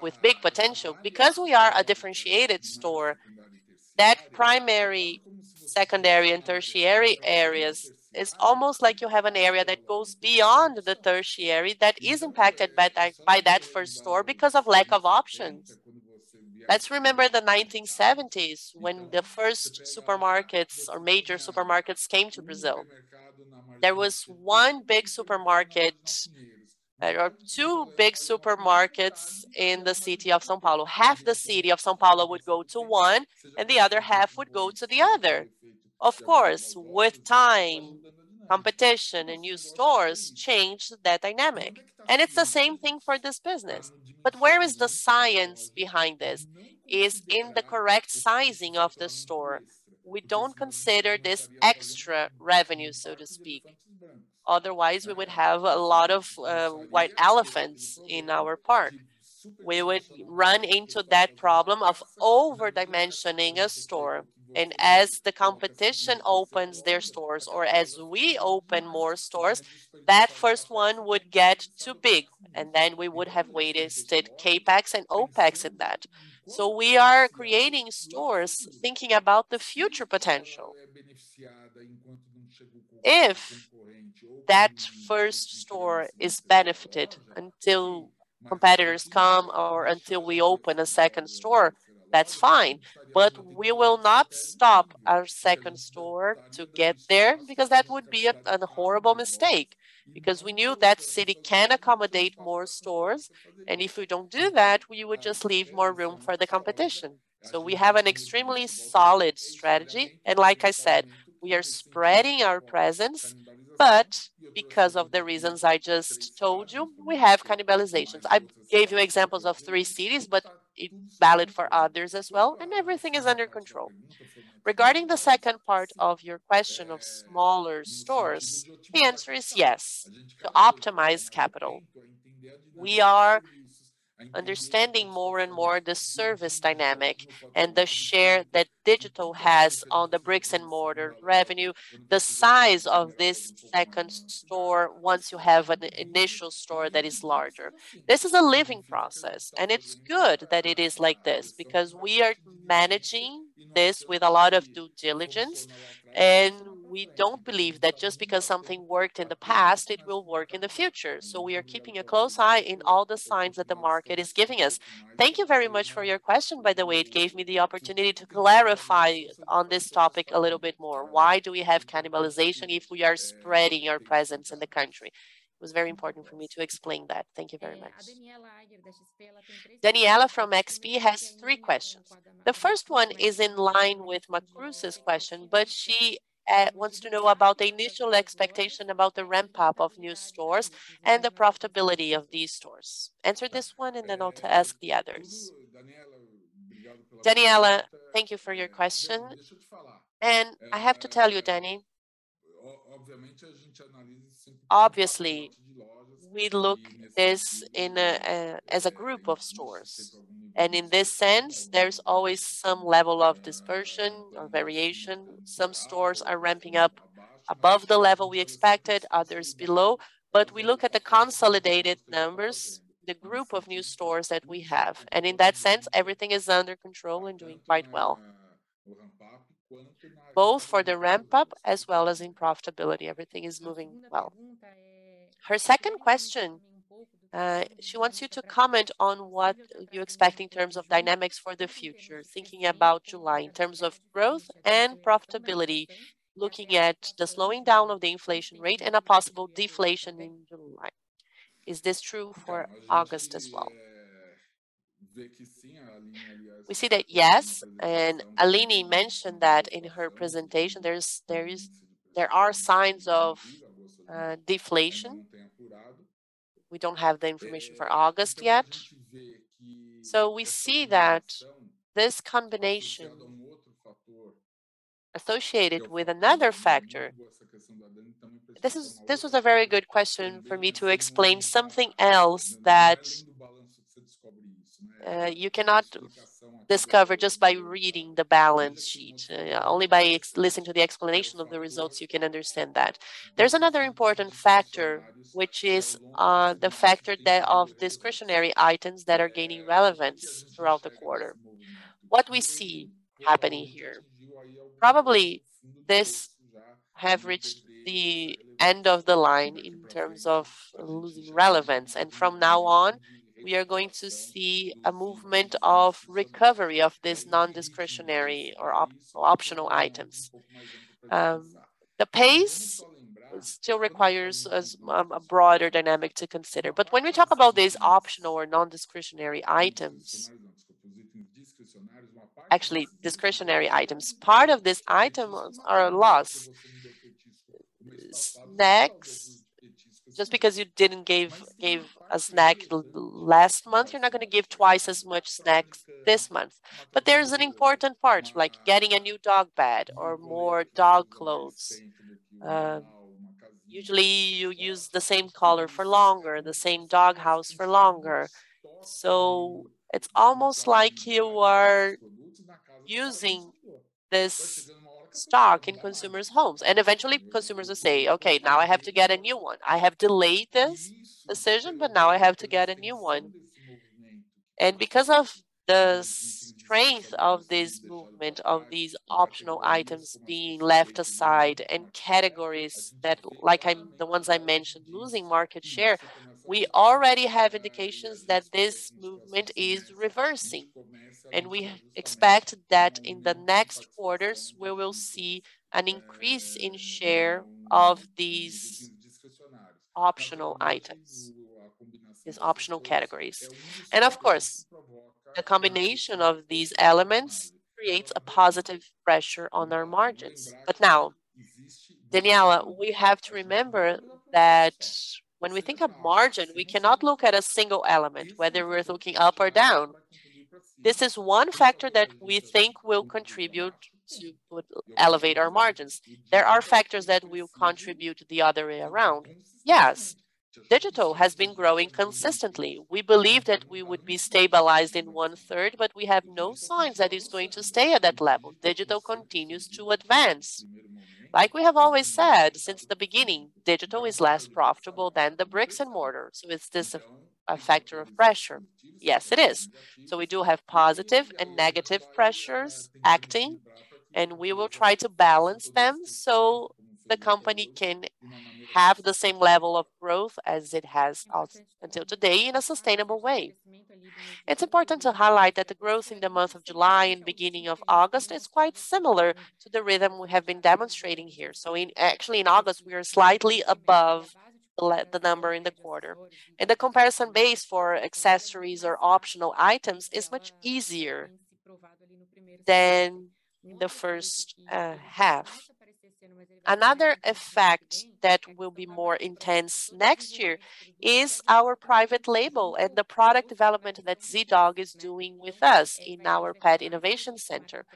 with big potential, because we are a differentiated store, that primary, secondary, and tertiary areas is almost like you have an area that goes beyond the tertiary that is impacted by that first store because of lack of options. Let's remember the 1970s when the first supermarkets or major supermarkets came to Brazil. There was one big supermarket or two big supermarkets in the city of São Paulo. Half the city of São Paulo would go to one, and the other half would go to the other. Of course, with time, competition and new stores changed that dynamic, and it's the same thing for this business, but where is the science behind this? It's in the correct sizing of the store. We don't consider this extra revenue, so to speak. Otherwise, we would have a lot of white elephants in our park. We would run into that problem of over-dimensioning a store, and as the competition opens their stores or as we open more stores, that first one would get too big, and then we would have wasted CapEx and OpEx in that. We are creating stores thinking about the future potential. If that first store is benefited until competitors come or until we open a second store, that's fine. We will not stop our second store to get there because that would be a horrible mistake because we knew that city can accommodate more stores, and if we don't do that, we would just leave more room for the competition. We have an extremely solid strategy and, like I said, we are spreading our presence, but because of the reasons I just told you, we have cannibalizations. I gave you examples of three cities, but it's valid for others as well, and everything is under control. Regarding the second part of your question of smaller stores, the answer is yes. To optimize capital, we are understanding more and more the service dynamic and the share that digital has on the bricks-and-mortar revenue, the size of this second store once you have an initial store that is larger. This is a living process, and it's good that it is like this because we are managing this with a lot of due diligence, and we don't believe that just because something worked in the past, it will work in the future. We are keeping a close eye in all the signs that the market is giving us. Thank you very much for your question, by the way. It gave me the opportunity to clarify on this topic a little bit more. Why do we have cannibalization if we are spreading our presence in the country? It was very important for me to explain that. Thank you very much. Daniella from XP has three questions. The first one is in line with Macruz's question, but she wants to know about the initial expectation about the ramp-up of new stores and the profitability of these stores? Answer this one, and then I'll go to ask the others. Daniella, thank you for your question. I have to tell you, Dani, obviously we look at this as a group of stores. In this sense, there's always some level of dispersion or variation. Some stores are ramping up above the level we expected, others below, but we look at the consolidated numbers, the group of new stores that we have. In that sense, everything is under control and doing quite well. Both for the ramp-up as well as in profitability, everything is moving well. Her second question, she wants you to comment on what you expect in terms of dynamics for the future, thinking about July in terms of growth and profitability, looking at the slowing down of the inflation rate and a possible deflation in July? Is this true for August as well? We see that, yes, and Aline mentioned that in her presentation. There are signs of deflation. We don't have the information for August yet. We see that this combination associated with another factor. This was a very good question for me to explain something else that you cannot discover just by reading the balance sheet. Only by listening to the explanation of the results you can understand that. There's another important factor, which is the factor of discretionary items that are gaining relevance throughout the quarter. What we see happening here, probably this have reached the end of the line in terms of losing relevance. From now on, we are going to see a movement of recovery of this non-discretionary or optional items. The pace still requires as, a broader dynamic to consider. When we talk about these optional or non-discretionary items, actually discretionary items, part of this item are loss. Snacks, just because you didn't gave a snack last month, you're not gonna give twice as much snacks this month. There's an important part, like getting a new dog bed or more dog clothes. Usually you use the same collar for longer, the same dog house for longer. It's almost like you are using this stock in consumers' homes. Eventually consumers will say, "Okay, now I have to get a new one. I have delayed this decision, but now I have to get a new one." Because of the strength of this movement of these optional items being left aside and categories that, like the ones I mentioned, losing market share, we already have indications that this movement is reversing. We expect that in the next quarters we will see an increase in share of these optional items, these optional categories. Of course, the combination of these elements creates a positive pressure on our margins. Now, Daniella, we have to remember that when we think of margin, we cannot look at a single element, whether we're looking up or down. This is one factor that we think will contribute to would elevate our margins. There are factors that will contribute the other way around. Yes, digital has been growing consistently. We believe that we would be stabilized in one-third, but we have no signs that it's going to stay at that level. Digital continues to advance. Like we have always said since the beginning, digital is less profitable than the bricks and mortars. Is this a factor of pressure? Yes, it is. We do have positive and negative pressures acting, and we will try to balance them so the company can have the same level of growth as it has until today in a sustainable way. It's important to highlight that the growth in the month of July and beginning of August is quite similar to the rhythm we have been demonstrating here. Actually, in August, we are slightly above the number in the quarter. The comparison base for accessories or optional items is much easier than the first half. Another effect that will be more intense next year is our private label and the product development that Zee.Dog is doing with us in our Pet Innovation Center.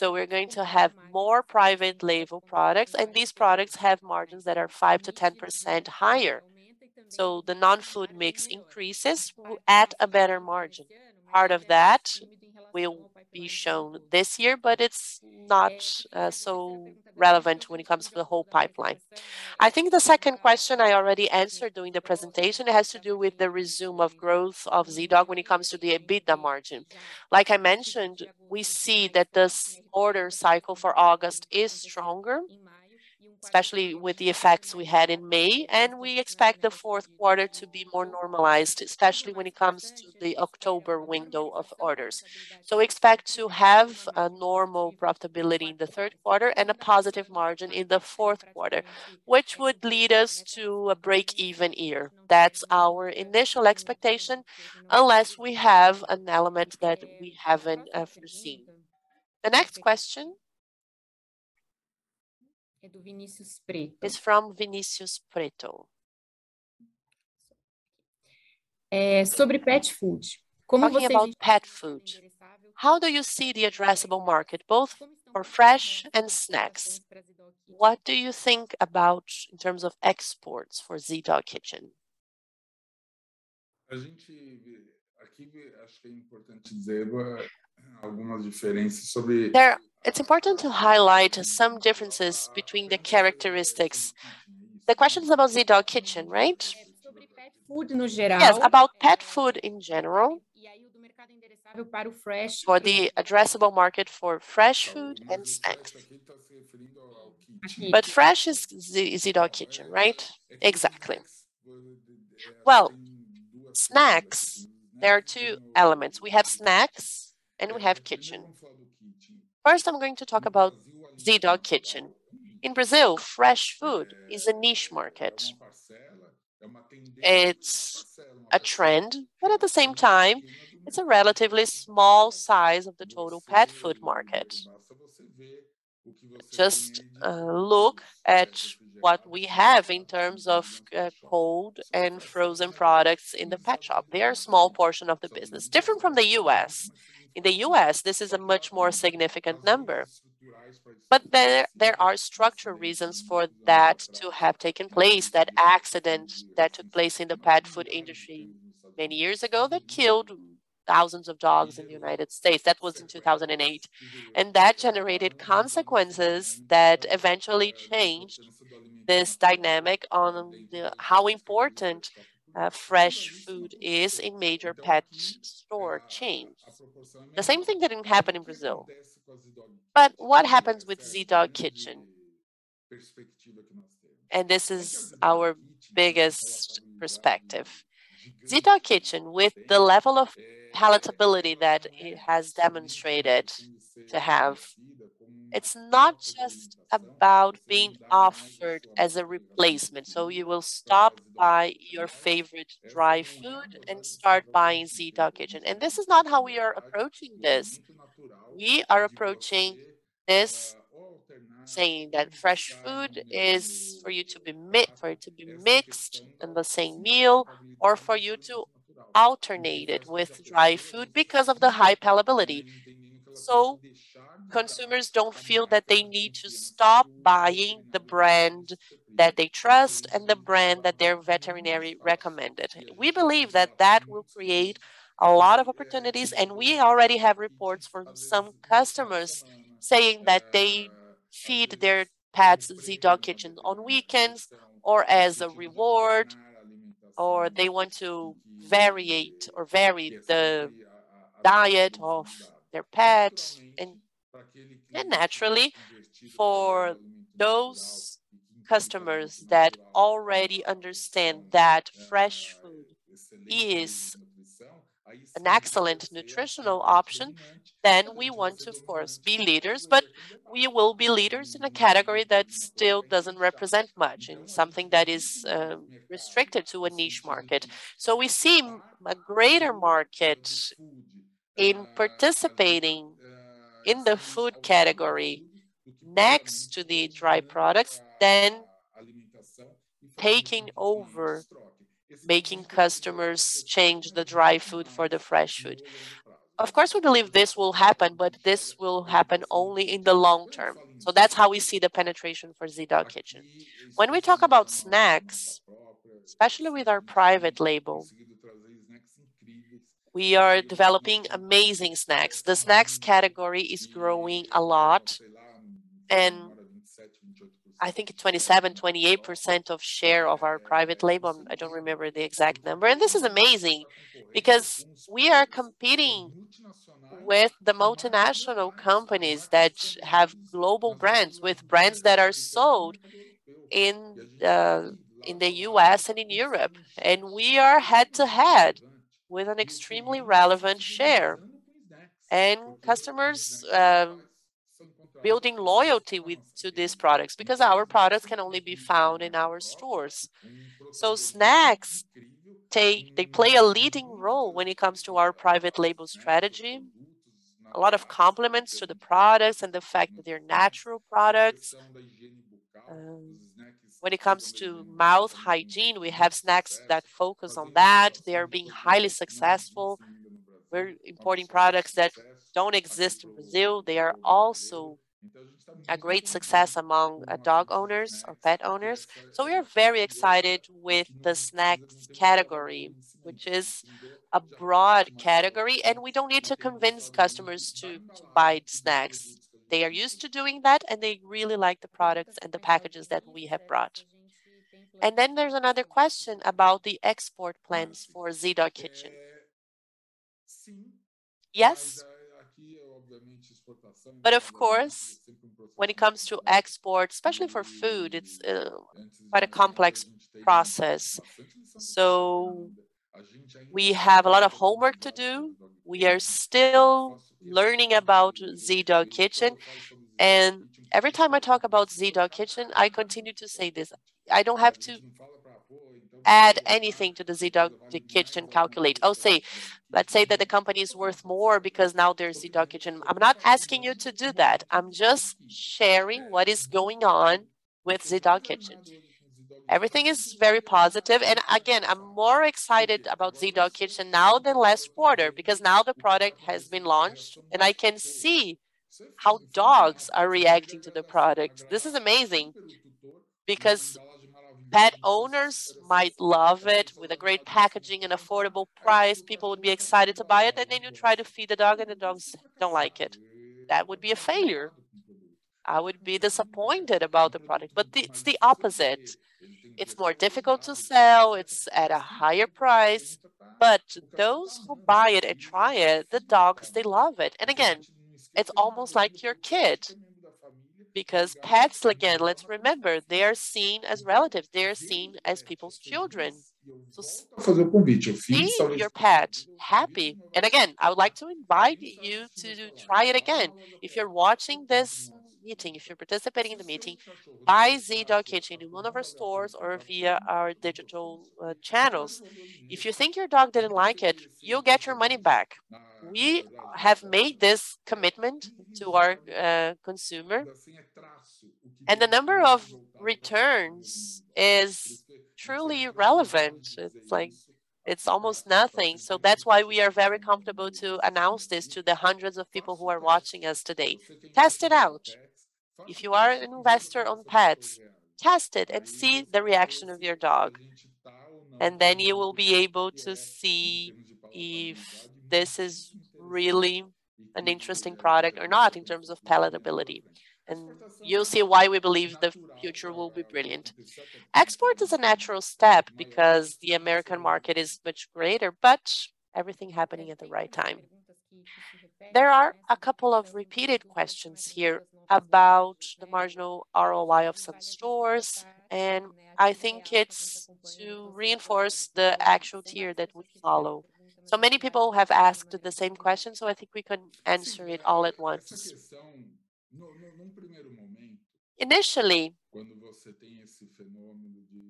We're going to have more private label products, and these products have margins that are 5%-10% higher. The non-food mix increases will add a better margin. Part of that will be shown this year, but it's not so relevant when it comes to the whole pipeline. I think the second question I already answered during the presentation. It has to do with the resumption of growth of Zee.Dog when it comes to the EBITDA margin. Like I mentioned, we see that this order cycle for August is stronger, especially with the effects we had in May, and we expect the fourth quarter to be more normalized, especially when it comes to the October window of orders. Expect to have a normal profitability in the third quarter and a positive margin in the fourth quarter, which would lead us to a break-even year. That's our initial expectation, unless we have an element that we haven't foreseen. The next question is from Vinicius Prieto. Talking about pet food. How do you see the addressable market, both for fresh and snacks? What do you think about in terms of exports for Zee.Dog Kitchen? There, it's important to highlight some differences between the characteristics. The question's about Zee.Dog Kitchen, right? Yes, about pet food in general. For the addressable market for fresh food and snacks. But fresh is Zee.Dog Kitchen, right? Exactly. Well, snacks, there are two elements. We have snacks and we have kitchen. First, I'm going to talk about Zee.Dog Kitchen. In Brazil, fresh food is a niche market. It's a trend, but at the same time, it's a relatively small size of the total pet food market. Just look at what we have in terms of cold and frozen products in the pet shop. They are a small portion of the business. Different from the U.S. In the U.S., this is a much more significant number. There are structural reasons for that to have taken place, that accident that took place in the pet food industry many years ago that killed thousands of dogs in the United States. That was in 2008. That generated consequences that eventually changed this dynamic on the how important fresh food is in major pet store chains. The same thing didn't happen in Brazil. What happens with Zee.Dog Kitchen? This is our biggest perspective. Zee.Dog Kitchen, with the level of palatability that it has demonstrated to have, it's not just about being offered as a replacement, so you will stop buying your favorite dry food and start buying Zee.Dog Kitchen, and this is not how we are approaching this. We are approaching this saying that fresh food is for it to be mixed in the same meal, or for you to alternate it with dry food because of the high palatability. Consumers don't feel that they need to stop buying the brand that they trust and the brand that their veterinarian recommended. We believe that that will create a lot of opportunities, and we already have reports from some customers saying that they feed their pets Zee.Dog Kitchen on weekends or as a reward, or they want to variate or vary the diet of their pets. Naturally for those customers that already understand that fresh food is an excellent nutritional option, then we want to, of course, be leaders. We will be leaders in a category that still doesn't represent much, in something that is restricted to a niche market. We see a greater market in participating in the food category next to the dry products than taking over, making customers change the dry food for the fresh food. Of course, we believe this will happen, but this will happen only in the long term. That's how we see the penetration for Zee.Dog Kitchen. When we talk about snacks, especially with our private label, we are developing amazing snacks. The snacks category is growing a lot, and I think 27%-28% of share of our private label. I don't remember the exact number. This is amazing because we are competing with the multinational companies that have global brands, with brands that are sold in the US, and in Europe, and we are head-to-head with an extremely relevant share. Customers building loyalty to these products because our products can only be found in our stores. They play a leading role when it comes to our private label strategy. A lot of compliments to the products and the fact that they're natural products. When it comes to mouth hygiene, we have snacks that focus on that. They're being highly successful. We're importing products that don't exist in Brazil. They are also a great success among dog owners or pet owners. We are very excited with the snacks category, which is a broad category, and we don't need to convince customers to buy snacks. They are used to doing that, and they really like the products and the packages that we have brought. There's another question about the export plans for Zee.Dog Kitchen. Yes. Of course, when it comes to export, especially for food, it's quite a complex process. We have a lot of homework to do. We are still learning about Zee.Dog Kitchen. Every time I talk about Zee.Dog Kitchen, I continue to say this. I don't have to add anything to the Zee.Dog Kitchen calculation. I'll say, let's say that the company is worth more because now there's Zee.Dog Kitchen. I'm not asking you to do that. I'm just sharing what is going on with Zee.Dog Kitchen. Everything is very positive. I'm more excited about Zee.Dog Kitchen now than last quarter because now the product has been launched, and I can see how dogs are reacting to the product. This is amazing because pet owners might love it with a great packaging and affordable price. People would be excited to buy it, and then you try to feed the dog, and the dogs don't like it. That would be a failure. I would be disappointed about the product, but it's the opposite. It's more difficult to sell. It's at a higher price. Those who buy it and try it, the dogs, they love it. It's almost like your kid because pets, again, let's remember, they are seen as relatives. They are seen as people's children. See your pet happy. I would like to invite you to try it again. If you're watching this meeting, if you're participating in the meeting, buy Zee.Dog Kitchen in one of our stores or via our digital channels. If you think your dog didn't like it, you'll get your money back. We have made this commitment to our consumer, and the number of returns is truly irrelevant. It's like, it's almost nothing. That's why we are very comfortable to announce this to the hundreds of people who are watching us today. Test it out. If you are an investor on pets, test it and see the reaction of your dog, and then you will be able to see if this is really an interesting product or not in terms of palatability, and you'll see why we believe the future will be brilliant. Export is a natural step because the American market is much greater, but everything happening at the right time. There are a couple of repeated questions here about the marginal ROIC of some stores, and I think it's to reinforce the actual tier that we follow. Many people have asked the same question, so I think we can answer it all at once. Initially,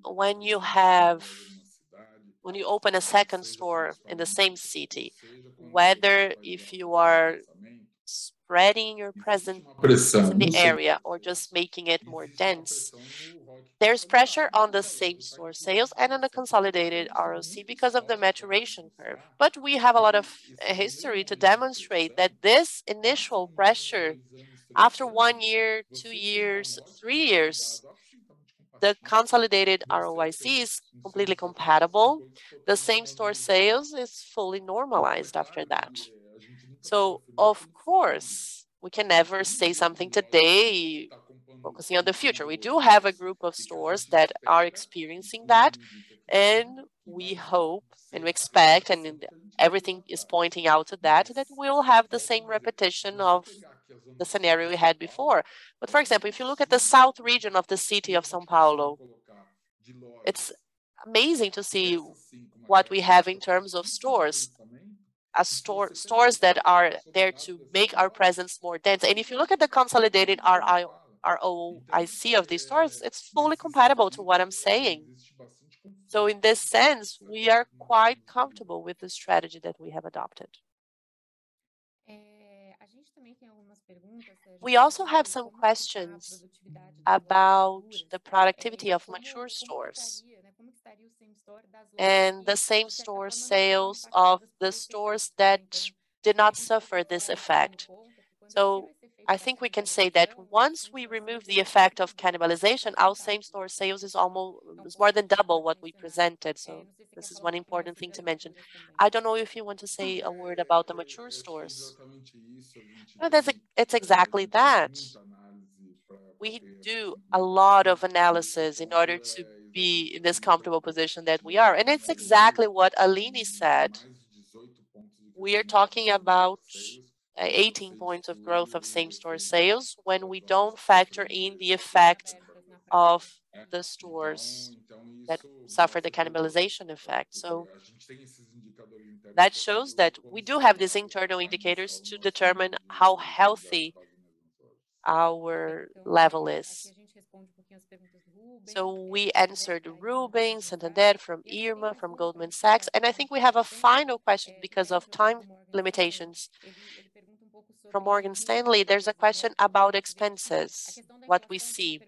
when you open a second store in the same city, whether if you are spreading your presence in the area or just making it more dense, there's pressure on the same-store sales and on the consolidated ROIC because of the maturation curve. We have a lot of history to demonstrate that this initial pressure after one year, two years, three years, the consolidated ROIC is completely compatible. The same-store sales is fully normalized after that. Of course, we can never say something today focusing on the future. We do have a group of stores that are experiencing that, and we hope and we expect, and everything is pointing out to that we'll have the same repetition of the scenario we had before. For example, if you look at the south region of the city of São Paulo, it's amazing to see what we have in terms of stores. Stores that are there to make our presence more dense. If you look at the consolidated ROIC of these stores, it's fully compatible to what I'm saying. In this sense, we are quite comfortable with the strategy that we have adopted. We also have some questions about the productivity of mature stores and the same-store sales of the stores that did not suffer this effect. I think we can say that once we remove the effect of cannibalization, our same-store sales is almost more than double what we presented. This is one important thing to mention. I don't know if you want to say a word about the mature stores. No, that's it. It's exactly that. We do a lot of analysis in order to be in this comfortable position that we are, and it's exactly what Aline said. We are talking about 18 points of growth of same-store sales when we don't factor in the effect of the stores that suffer the cannibalization effect. That shows that we do have these internal indicators to determine how healthy our level is. We answered Ruben from Santander, Irma from Goldman Sachs, and I think we have a final question because of time limitations. From Morgan Stanley, there's a question about expenses, what we see.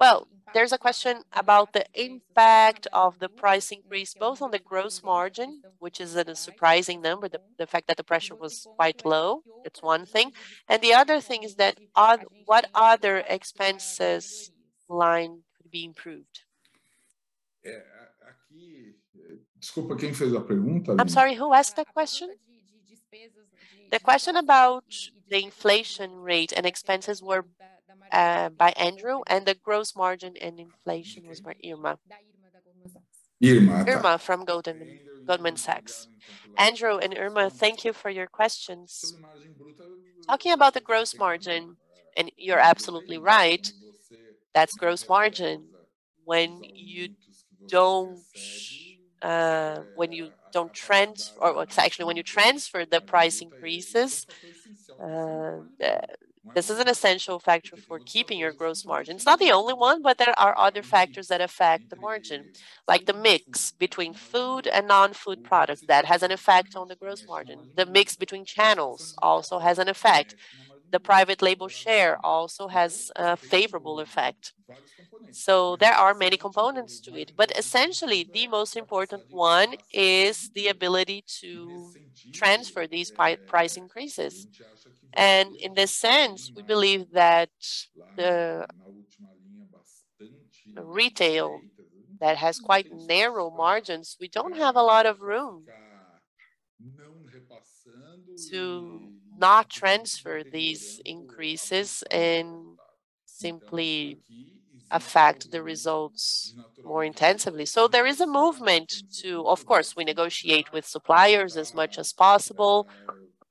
Well, there's a question about the impact of the price increase both on the gross margin, which is a surprising number, the fact that the pressure was quite low. It's one thing. And the other thing is that what other expenses line could be improved. I'm sorry, who asked that question? The question about the inflation rate and expenses were by Andrew, and the gross margin and inflation was by Irma. Irma. Irma from Goldman Sachs. Andrew and Irma, thank you for your questions. Talking about the gross margin, you're absolutely right. That's gross margin when you transfer the price increases. This is an essential factor for keeping your gross margin. It's not the only one, but there are other factors that affect the margin, like the mix between food and non-food products that has an effect on the gross margin. The mix between channels also has an effect. The private label share also has a favorable effect. There are many components to it, but essentially, the most important one is the ability to transfer these price increases. In this sense, we believe that the retail that has quite narrow margins. We don't have a lot of room to not transfer these increases and simply affect the results more intensively. There is a movement to negotiate with suppliers as much as possible.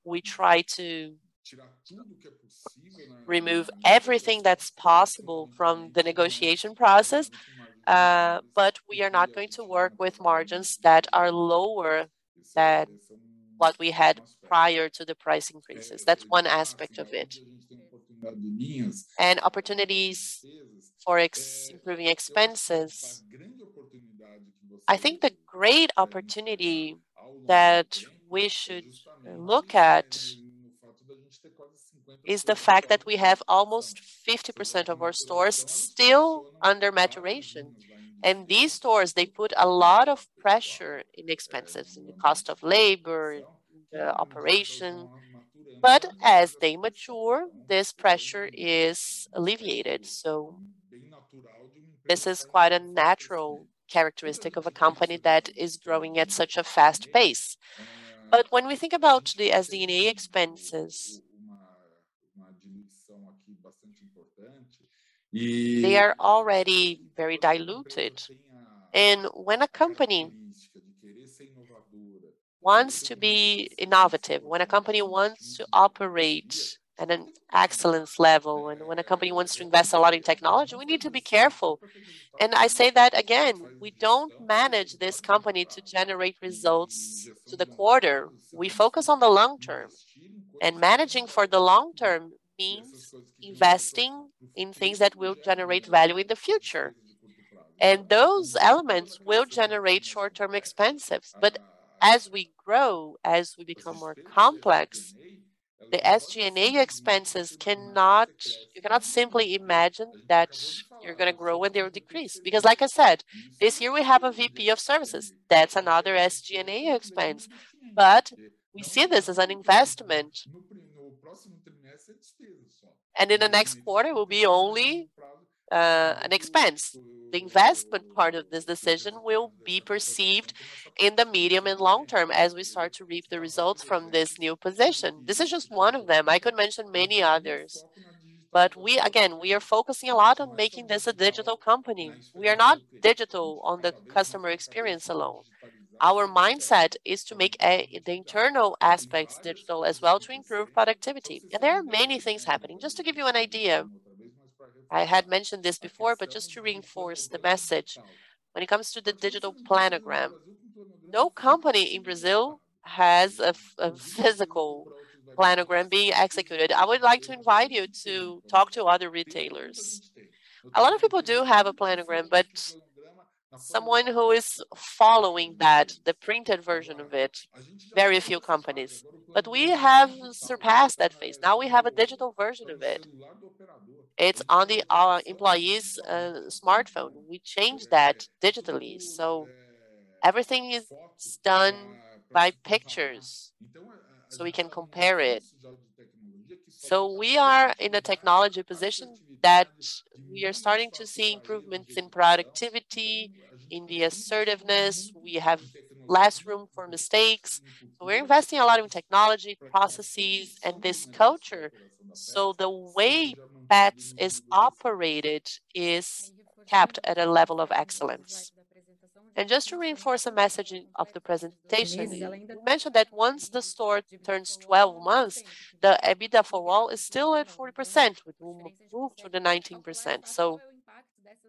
We try to remove everything that's possible from the negotiation process, but we are not going to work with margins that are lower than what we had prior to the price increases. That's one aspect of it. Opportunities for OpEx-improving expenses, I think the great opportunity that we should look at is the fact that we have almost 50% of our stores still under maturation. These stores, they put a lot of pressure in expenses, in the cost of labor, the operation. But as they mature, this pressure is alleviated. This is quite a natural characteristic of a company that is growing at such a fast pace. When we think about the SG&A expenses, they are already very diluted. When a company wants to be innovative, when a company wants to operate at an excellence level, and when a company wants to invest a lot in technology, we need to be careful. I say that again, we don't manage this company to generate results to the quarter. We focus on the long term. Managing for the long term means investing in things that will generate value in the future. Those elements will generate short-term expenses. As we grow, as we become more complex, the SG&A expenses cannot. You cannot simply imagine that you're gonna grow and they will decrease. Because like I said, this year we have a VP of services. That's another SG&A expense. We see this as an investment. In the next quarter, it will be only an expense. The investment part of this decision will be perceived in the medium and long term as we start to reap the results from this new position. This is just one of them. I could mention many others. Again, we are focusing a lot on making this a digital company. We are not digital on the customer experience alone. Our mindset is to make the internal aspects digital as well to improve productivity. There are many things happening. Just to give you an idea, I had mentioned this before, but just to reinforce the message. When it comes to the digital planogram, no company in Brazil has a physical planogram being executed. I would like to invite you to talk to other retailers. A lot of people do have a planogram, but someone who is following that, the printed version of it. Very few companies. We have surpassed that phase. Now we have a digital version of it. It's on the employees' smartphone. We change that digitally. Everything is done by pictures, so we can compare it. We are in a technology position that we are starting to see improvements in productivity, in the assertiveness. We have less room for mistakes. We're investing a lot in technology, processes, and this culture. The way Petz is operated is kept at a level of excellence. Just to reinforce a message of the presentation, we mentioned that once the store turns 12 months, the four-wall EBITDA for all is still at 40%, which will improve to the 19%.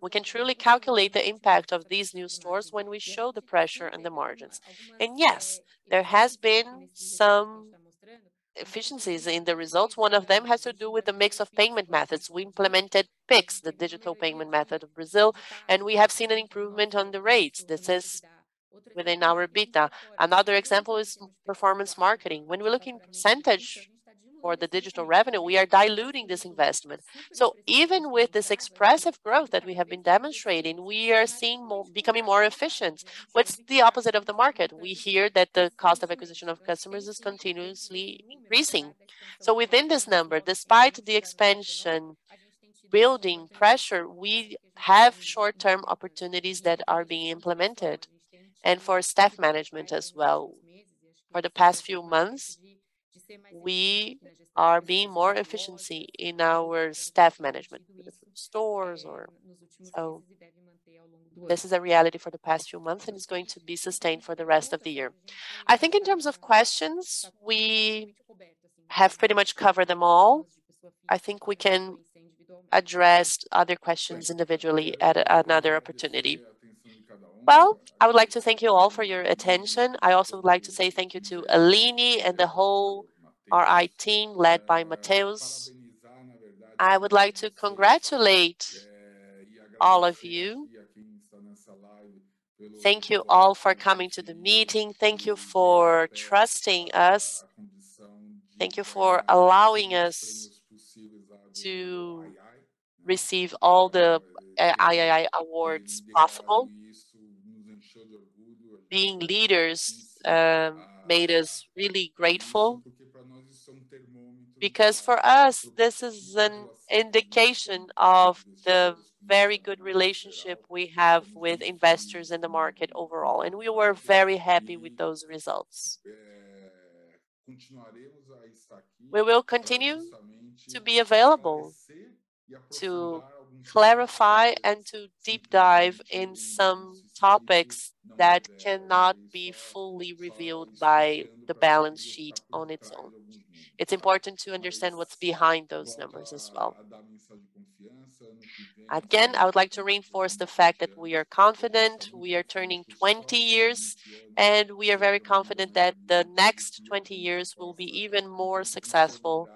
We can truly calculate the impact of these new stores when we show the pressure and the margins. Yes, there has been some efficiencies in the results. One of them has to do with the mix of payment methods. We implemented Pix, the digital payment method of Brazil, and we have seen an improvement on the rates. This is within our EBITDA. Another example is performance marketing. When we look in percentage for the digital revenue, we are diluting this investment. Even with this expressive growth that we have been demonstrating, we are becoming more efficient. What's the opposite of the market? We hear that the cost of acquisition of customers is continuously increasing. Within this number, despite the expansion building pressure, we have short-term opportunities that are being implemented and for staff management as well. For the past few months, we are being more efficiency in our staff management, be it for the stores or so. This is a reality for the past few months, and it's going to be sustained for the rest of the year. I think in terms of questions, we have pretty much covered them all. I think we can address other questions individually at another opportunity. Well, I would like to thank you all for your attention. I also would like to say thank you to Aline and the whole RI team led by Mateus. I would like to congratulate all of you. Thank you all for coming to the meeting. Thank you for trusting us. Thank you for allowing us to receive all the II awards possible. Being leaders made us really grateful because for us, this is an indication of the very good relationship we have with investors in the market overall, and we were very happy with those results. We will continue to be available to clarify and to deep dive in some topics that cannot be fully revealed by the balance sheet on its own. It's important to understand what's behind those numbers as well. Again, I would like to reinforce the fact that we are confident. We are turning 20 years, and we are very confident that the next 20 years will be even more successful,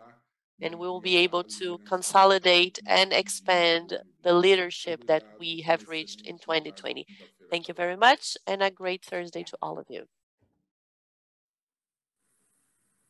and we will be able to consolidate and expand the leadership that we have reached in 2020. Thank you very much, and a great Thursday to all of you.